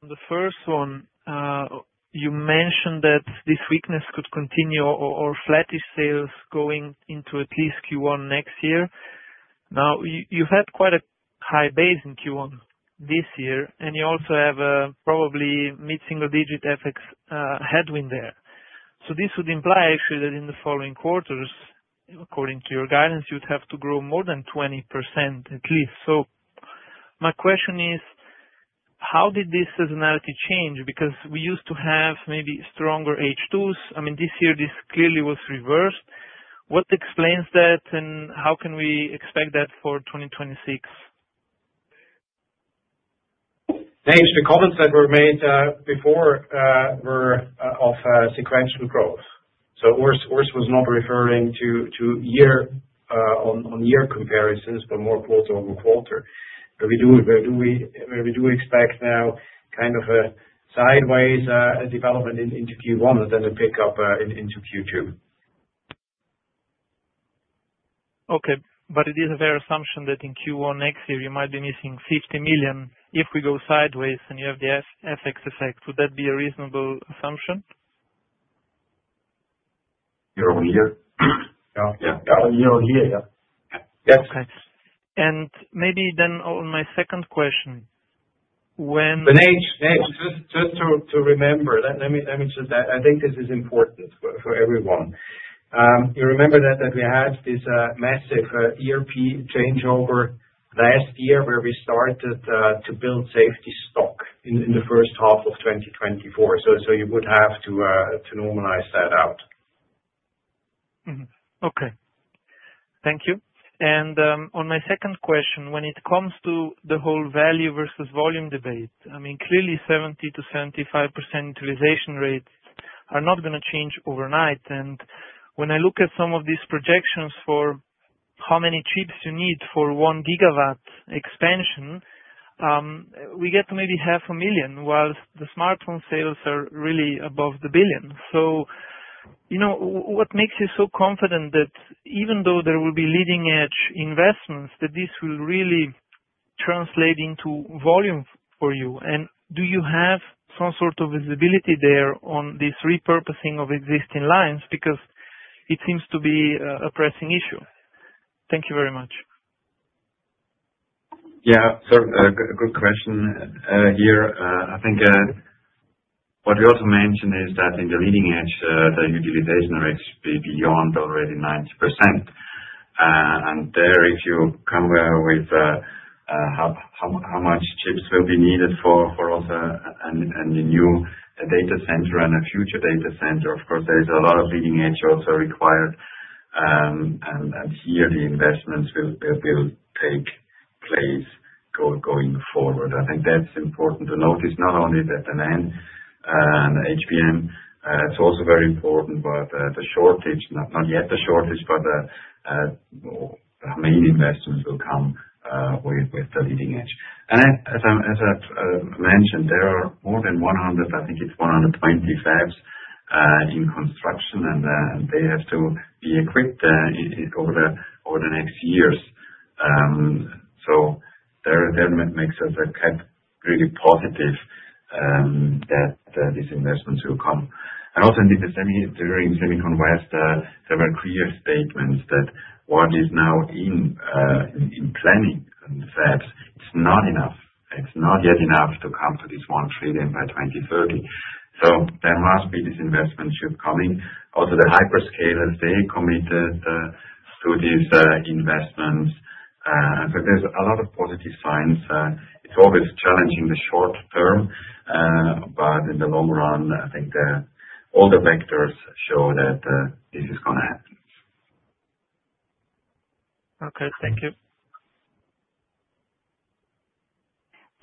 M: The first one, you mentioned that this weakness could continue in etch sales going into at least Q1 next year. Now, you've had quite a high base in Q1 this year, and you also have probably mid-single-digit FX headwind there. So this would imply actually that in the following quarters, according to your guidance, you'd have to grow more than 20% at least. So my question is, how did this seasonality change? Because we used to have maybe stronger H2s. I mean, this year, this clearly was reversed. What explains that, and how can we expect that for 2026?
F: Thanks. The comments that were made before were of sequential growth. So Urs was not referring to year-on-year comparisons but more quarter-over-quarter. But we do expect now kind of a sideways development into Q1 and then a pickup into Q2.
M: Okay. But it is a fair assumption that in Q1 next year, you might be missing 50 million if we go sideways and you have the FX effect. Would that be a reasonable assumption?
B: Year-on-year. Yeah.
F: Yeah. Year-on-year, yeah.
M: Yes. Okay. And maybe then on my second question, when?
F: Nejc. Just to remember, let me just add, I think this is important for everyone. You remember that we had this massive ERP changeover last year where we started to build safety stock in the first half of 2024. So you would have to normalize that out.
M: Okay. Thank you. And on my second question, when it comes to the whole value versus volume debate, I mean, clearly 70%-75% utilization rates are not going to change overnight. And when I look at some of these projections for how many chips you need for one GW expansion, we get maybe 500,000, while the smartphone sales are really above the billion. So what makes you so confident that even though there will be leading-edge investments, that this will really translate into volume for you? And do you have some sort of visibility there on this repurposing of existing lines? Because it seems to be a pressing issue. Thank you very much.
B: Yeah. So a good question here. I think what you also mentioned is that in the leading-edge, the utilization rates be beyond already 90%. And there, if you come with how much chips will be needed for also a new data center and a future data center, of course, there is a lot of leading-edge also required. And here, the investments will take place going forward. I think that's important to notice, not only that the NAND and HBM, it's also very important about the shortage, not yet the shortage, but how many investments will come with the leading-edge. And as I mentioned, there are more than 100, I think it's 120 fabs in construction, and they have to be equipped over the next years. So that makes us really positive that these investments will come. And also during SEMICON West, there were clear statements that what is now in planning on the fabs. It's not enough. It's not yet enough to come to this 1 trillion by 2030. So there must be this investment should coming. Also, the hyperscale's, they committed to these investments. So there's a lot of positive signs. It's always challenging the short term, but in the long run, I think all the vectors show that this is going to happen.
M: Okay. Thank you.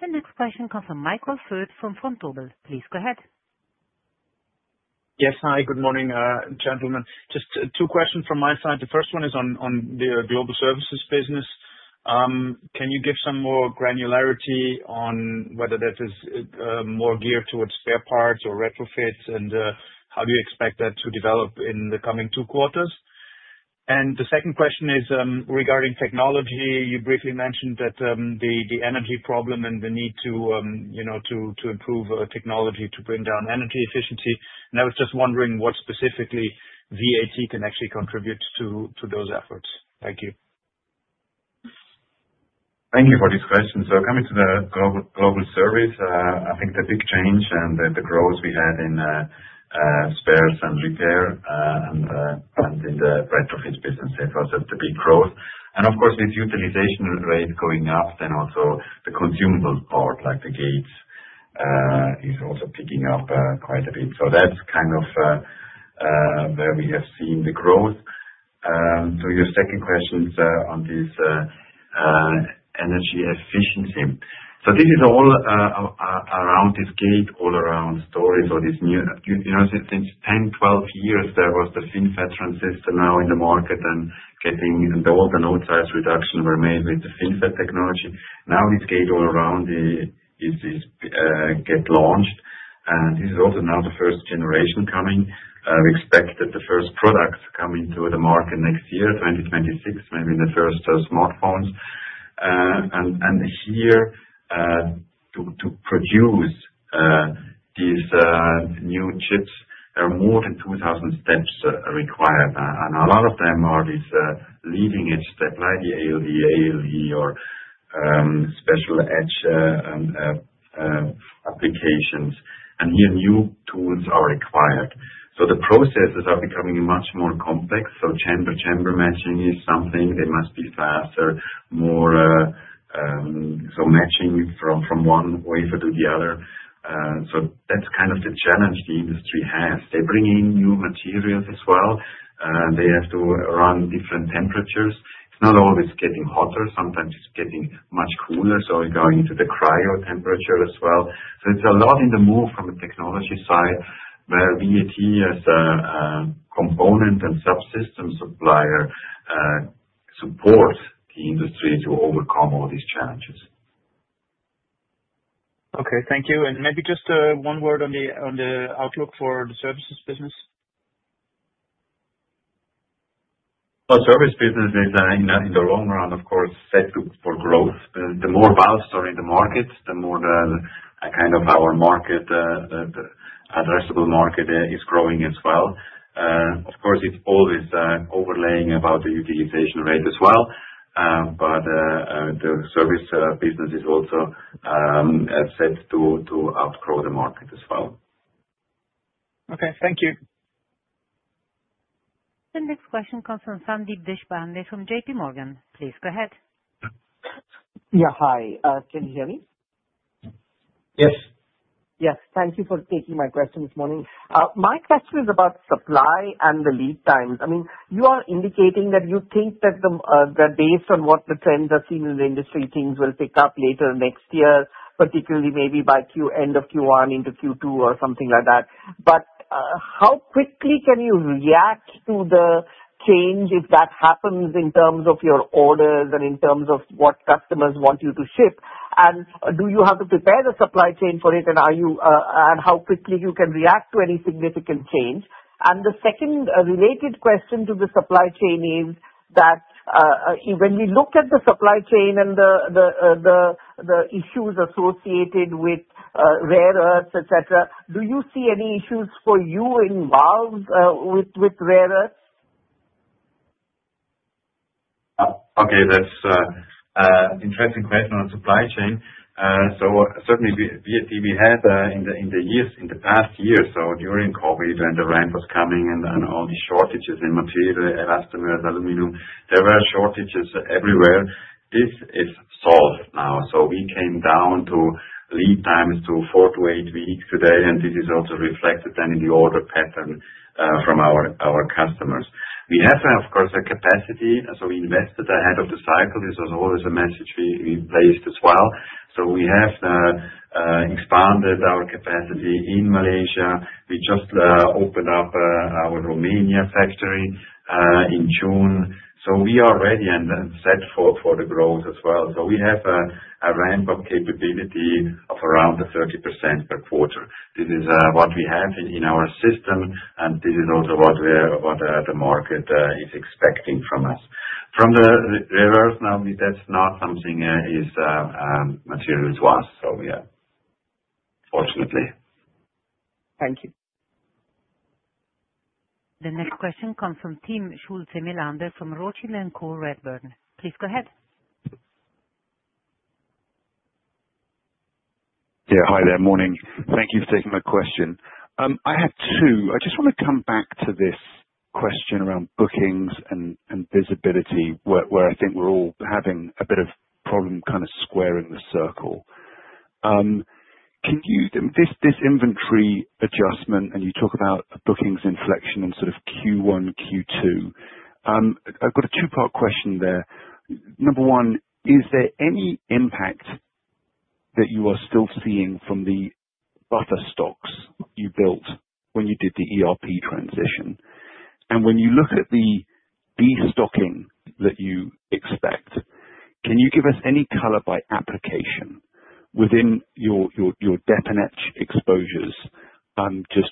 A: The next question comes from Michael Foeth from Vontobel. Please go ahead.
N: Yes. Hi, good morning, gentlemen. Just two questions from my side. The first one is on the Global Services business. Can you give some more granularity on whether that is more geared towards spare parts or retrofits, and how do you expect that to develop in the coming two quarters? And the second question is regarding technology. You briefly mentioned that the energy problem and the need to improve technology to bring down energy efficiency. And I was just wondering what specifically VAT can actually contribute to those efforts. Thank you.
B: Thank you for this question. So coming to the Global Service, I think the big change and the growth we had in spares and repair and in the retrofit business, it was the big growth. And of course, with utilization rates going up, then also the consumable part, like the gates, is also picking up quite a bit. So that's kind of where we have seen the growth. To your second question on this energy efficiency, so this is all around this Gate-All-Around transistors or this new since 10, 12 years. There was the FinFET transistor now in the market and getting all the node size reduction were made with the FinFET technology. Now this Gate-All-Around is getting launched, and this is also now the first generation coming. We expect that the first products come into the market next year, 2026, maybe in the first smartphones, and here, to produce these new chips, there are more than 2,000 steps required. And a lot of them are these leading-edge steps, like the ALD, ALE, or special edge applications, and here, new tools are required, so the processes are becoming much more complex, so chamber matching is something that must be faster, more so matching from one wafer to the other. So that's kind of the challenge the industry has. They bring in new materials as well. They have to run different temperatures. It's not always getting hotter. Sometimes it's getting much cooler. So we're going into the cryo temperature as well. So it's a lot in the move from the technology side where VAT as a component and subsystem supplier supports the industry to overcome all these challenges.
N: Okay. Thank you. And maybe just one word on the outlook for the services business.
B: Well, Service business is, in the long run, of course, set to growth. The more valves are in the market, the more kind of our addressable market is growing as well. Of course, it's always overlaying about the utilization rate as well. But the service business is also set to outgrow the market as well.
N: Okay. Thank you.
A: The next question comes from Sandeep Deshpande from JPMorgan. Please go ahead.
O: Yeah. Hi. Can you hear me?
B: Yes.
O: Yes. Thank you for taking my question this morning. My question is about supply and the lead times. I mean, you are indicating that you think that based on what the trends are seen in the industry, things will pick up later next year, particularly maybe by end of Q1 into Q2 or something like that. But how quickly can you react to the change if that happens in terms of your orders and in terms of what customers want you to ship? And do you have to prepare the supply chain for it? And how quickly you can react to any significant change? And the second related question to the supply chain is that when we look at the supply chain and the issues associated with rare earths, etc., do you see any issues for you involved with rare earths?
B: Okay. That's an interesting question on supply chain. So certainly, VAT, we had in the past year. So during COVID, when the ramp was coming and all the shortages in material, elastomers, aluminum, there were shortages everywhere. This is solved now. So we came down to lead times to four to eight weeks today. And this is also reflected then in the order pattern from our customers. We have to have, of course, a capacity. So we invested ahead of the cycle. This was always a message we placed as well. So we have expanded our capacity in Malaysia. We just opened up our Romania factory in June. So we are ready and set for the growth as well. So we have a ramp-up capability of around 30% per quarter. This is what we have in our system. And this is also what the market is expecting from us. From the rare earth, now, that's not something is material to us, so yeah, fortunately.
O: Thank you.
A: The next question comes from Timm Schulze-Melander from Rothschild & Co Redburn. Please go ahead.
P: Yeah. Hi, there. Morning. Thank you for taking my question. I have two. I just want to come back to this question around bookings and visibility, where I think we're all having a bit of problem kind of squaring the circle. This inventory adjustment, and you talk about bookings inflection and sort of Q1, Q2. I've got a two-part question there. Number one, is there any impact that you are still seeing from the buffer stocks you built when you did the ERP transition? And when you look at the destocking that you expect, can you give us any color by application within your dep and etch exposures, just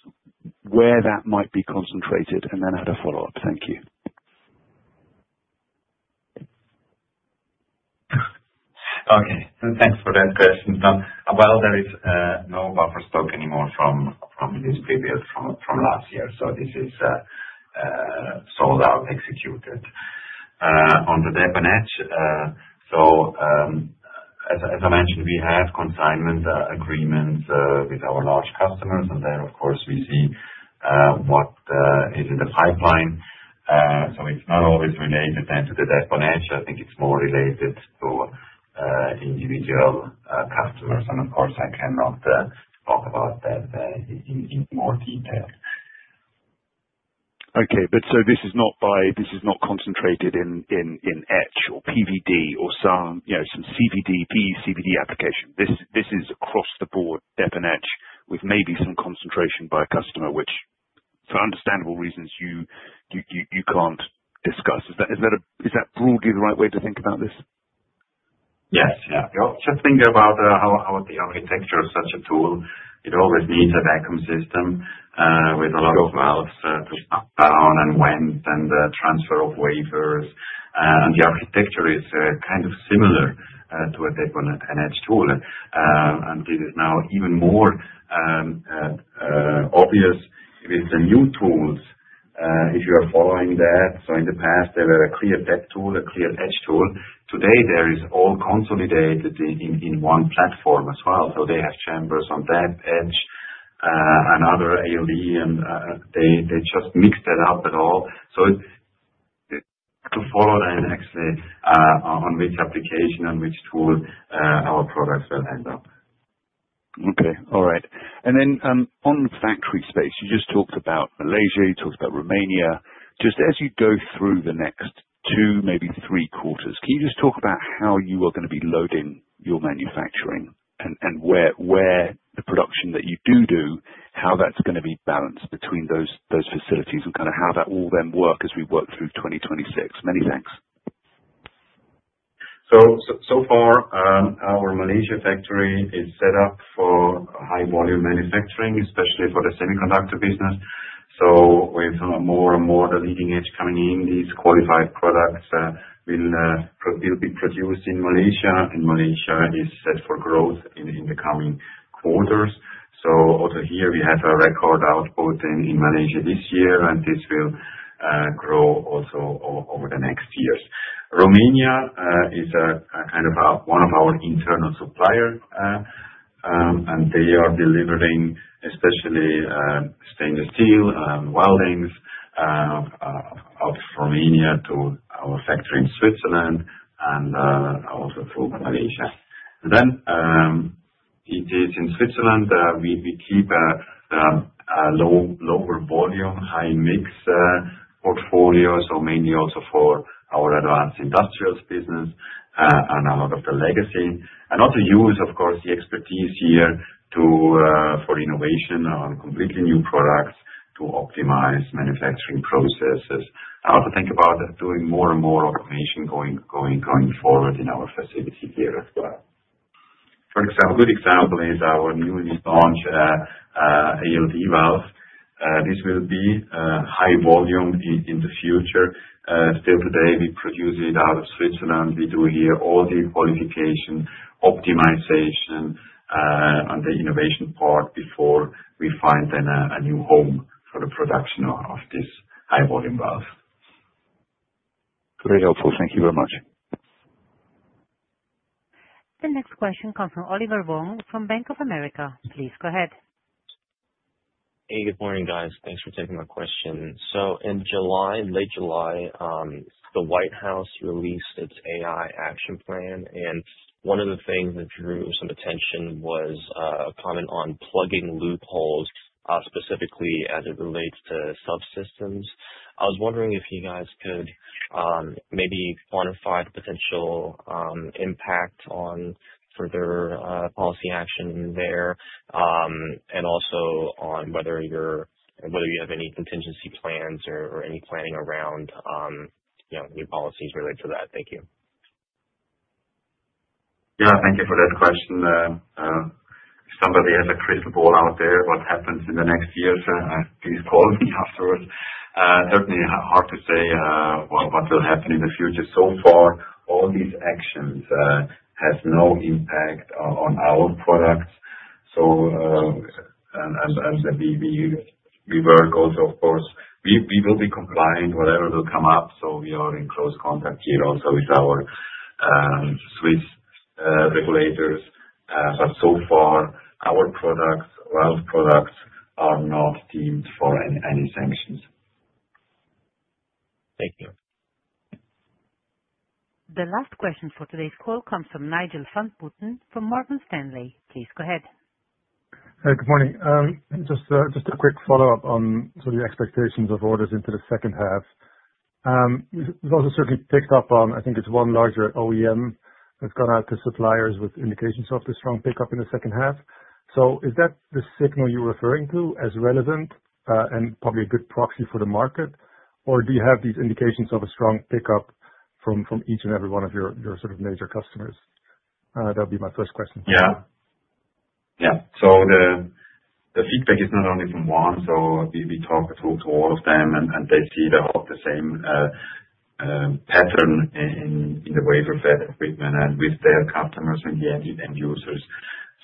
P: where that might be concentrated, and then I had a follow up. Thank you.
B: Okay. Thanks for that question. Well, there is no buffer stock anymore from last year. So this is sold out, executed on the dep and etch. So as I mentioned, we have consignment agreements with our large customers. And there, of course, we see what is in the pipeline. So it's not always related then to the dep and etch. I think it's more related to individual customers. And of course, I cannot talk about that in more detail.
P: Okay. But so this is not. This is not concentrated in etch or PVD or some CVD, PECVD application. This is across the board dep and etch with maybe some concentration by customer, which for understandable reasons, you can't discuss. Is that broadly the right way to think about this?
B: Yes. Yeah. Just think about how the architecture of such a tool. It always needs a vacuum system with a lot of valves to pump down and vent and transfer of wafers. And the architecture is kind of similar to a dep and etch tool. And this is now even more obvious with the new tools if you are following that. So in the past, there were a clear dep tool, a clear etch tool. Today, it's all consolidated in one platform as well. So they have chambers on that edge and other ALE, and they just mix that up at all. So, to follow then, actually, on which application and which tool our products will end up.
P: Okay. All right. And then, on factory space, you just talked about Malaysia. You talked about Romania. Just as you go through the next two, maybe three quarters, can you just talk about how you are going to be loading your manufacturing and where the production that you do do, how that's going to be balanced between those facilities and kind of how that will then work as we work through 2026? Many thanks.
B: So far, our Malaysia factory is set up for high-volume manufacturing, especially for the semiconductor business. So, with more and more of the leading-edge coming in, these qualified products will be produced in Malaysia. And Malaysia is set for growth in the coming quarters. So also here, we have a record output in Malaysia this year, and this will grow also over the next years. Romania is kind of one of our internal suppliers, and they are delivering especially stainless steel and weldings out of Romania to our factory in Switzerland. And also through Malaysia, and then in Switzerland, we keep a lower volume, high-mix portfolio, so mainly also for our Advanced Industrials business and a lot of the legacy, and also use, of course, the expertise here for innovation on completely new products to optimize manufacturing processes. I also think about doing more and more automation going forward in our facility here as well. For example, a good example is our newly launched ALD valve. This will be high volume in the future. Still today, we produce it out of Switzerland. We do here all the qualification optimization on the innovation part before we find then a new home for the production of this high-volume valve.
P: Very helpful. Thank you very much.
A: The next question comes from Oliver Wong from Bank of America. Please go ahead.
Q: Hey, good morning, guys. Thanks for taking my question. So in July, late July, the White House released its AI action plan. And one of the things that drew some attention was a comment on plugging loopholes, specifically as it relates to subsystems. I was wondering if you guys could maybe quantify the potential impact on further policy action there and also on whether you have any contingency plans or any planning around new policies related to that. Thank you.
B: Yeah. Thank you for that question. If somebody has a crystal ball out there, what happens in the next years, please call me afterwards. Certainly, hard to say what will happen in the future. So far, all these actions have no impact on our products. And we work also, of course. We will be compliant, whatever will come up. So we are in close contact here also with our Swiss regulators. But so far, our products, well, products are not deemed for any sanctions.
Q: Thank you.
A: The last question for today's call comes from Nigel van Putten from Morgan Stanley. Please go ahead.
R: Good morning. Just a quick follow up on sort of the expectations of orders into the second half. We've also certainly picked up on, I think it's one larger OEM that's gone out to suppliers with indications of the strong pickup in the second half. So is that the signal you're referring to as relevant and probably a good proxy for the market? Or do you have these indications of a strong pickup from each and every one of your sort of major customers? That would be my first question.
B: Yeah. Yeah. So the feedback is not only from one. So we talked to all of them, and they see about the same pattern in the wafer fab equipment and with their customers and end users.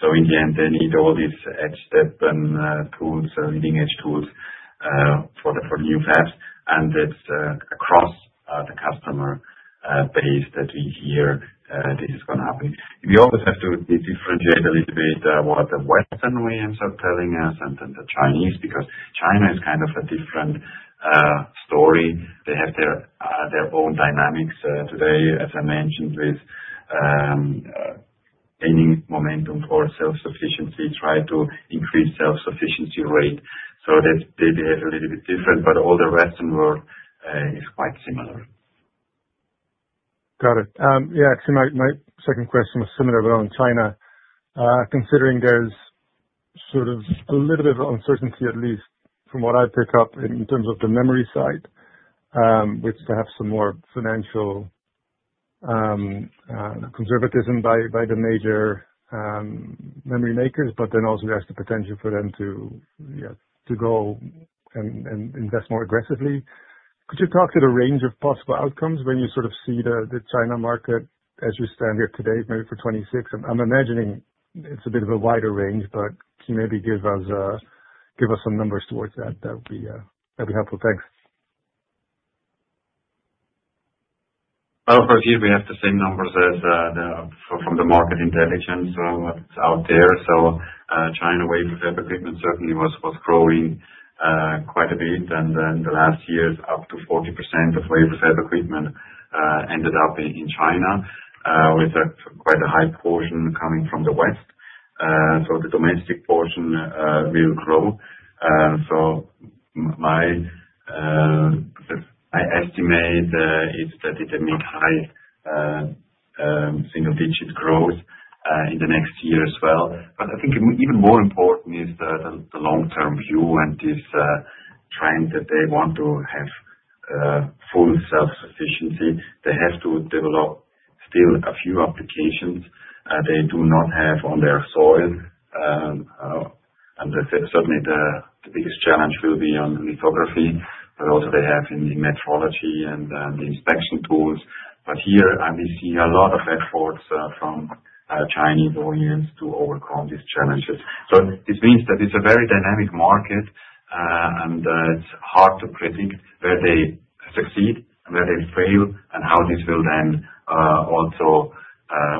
B: So in the end, they need all these etch, dep and tools, leading-edge tools for the new fabs. And it's across the customer base that we hear this is going to happen. We always have to differentiate a little bit what the Western OEMs are telling us and then the Chinese, because China is kind of a different story. They have their own dynamics today, as I mentioned, with gaining momentum for self-sufficiency, trying to increase self-sufficiency rate. So they behave a little bit different. But all the Western world is quite similar.
R: Got it. Yeah. Actually, my second question was similar, but on China, considering there's sort of a little bit of uncertainty, at least from what I pick up in terms of the memory side, which perhaps some more financial conservatism by the major memory makers, but then also there's the potential for them to go and invest more aggressively. Could you talk to the range of possible outcomes when you sort of see the China market as you stand here today, maybe for 2026? I'm imagining it's a bit of a wider range, but can you maybe give us some numbers towards that? That would be helpful. Thanks.
B: Well, for here, we have the same numbers from the market intelligence out there. So China WFE equipment certainly was growing quite a bit. And then the last years, up to 40% of wafer fab equipment ended up in China with quite a high portion coming from the West. So the domestic portion will grow. So my estimate is that it will meet high single-digit growth in the next year as well. But I think even more important is the long-term view and this trend that they want to have full self-sufficiency. They have to develop still a few applications they do not have on their soil. And certainly, the biggest challenge will be on lithography, but also they have in metrology and the inspection tools. But here, we see a lot of efforts from Chinese OEMs to overcome these challenges. So this means that it's a very dynamic market, and it's hard to predict where they succeed and where they fail and how this will then also,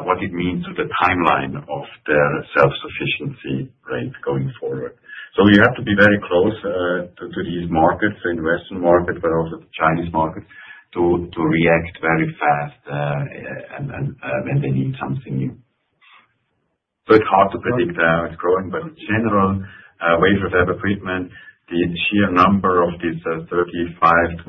B: what it means to the timeline of their self-sufficiency rate going forward. So we have to be very close to these markets, the investment market, but also the Chinese market, to react very fast when they need something new. So it's hard to predict how it's growing. But in general, wafer fab equipment, the sheer number of these 35 billion-40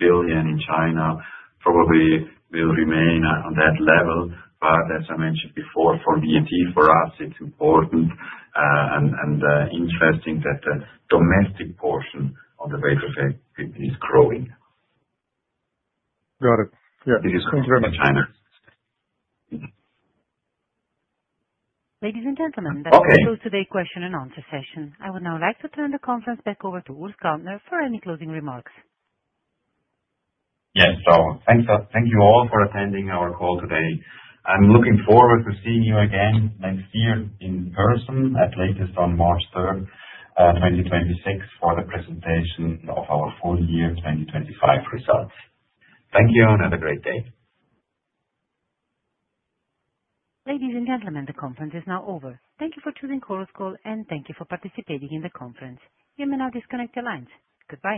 B: billion in China probably will remain on that level. But as I mentioned before, for VAT, for us, it's important and interesting that the domestic portion of the wafer fab equipment is growing.
R: Got it. Yeah. Thank you very much.
A: Ladies and gentlemen, that concludes today's question and answer session. I would now like to turn the conference back over to Urs Gantner for any closing remarks.
B: Yes. So thanks a lot. Thank you all for attending our call today. I'm looking forward to seeing you again next year in person, at latest on March 3rd, 2026 for the presentation of our full year 2025 results. Thank you and have a great day.
A: Ladies and gentlemen, the conference is now over. Thank you for choosing Chorus Call, and thank you for participating in the conference. You may now disconnect your lines. Goodbye.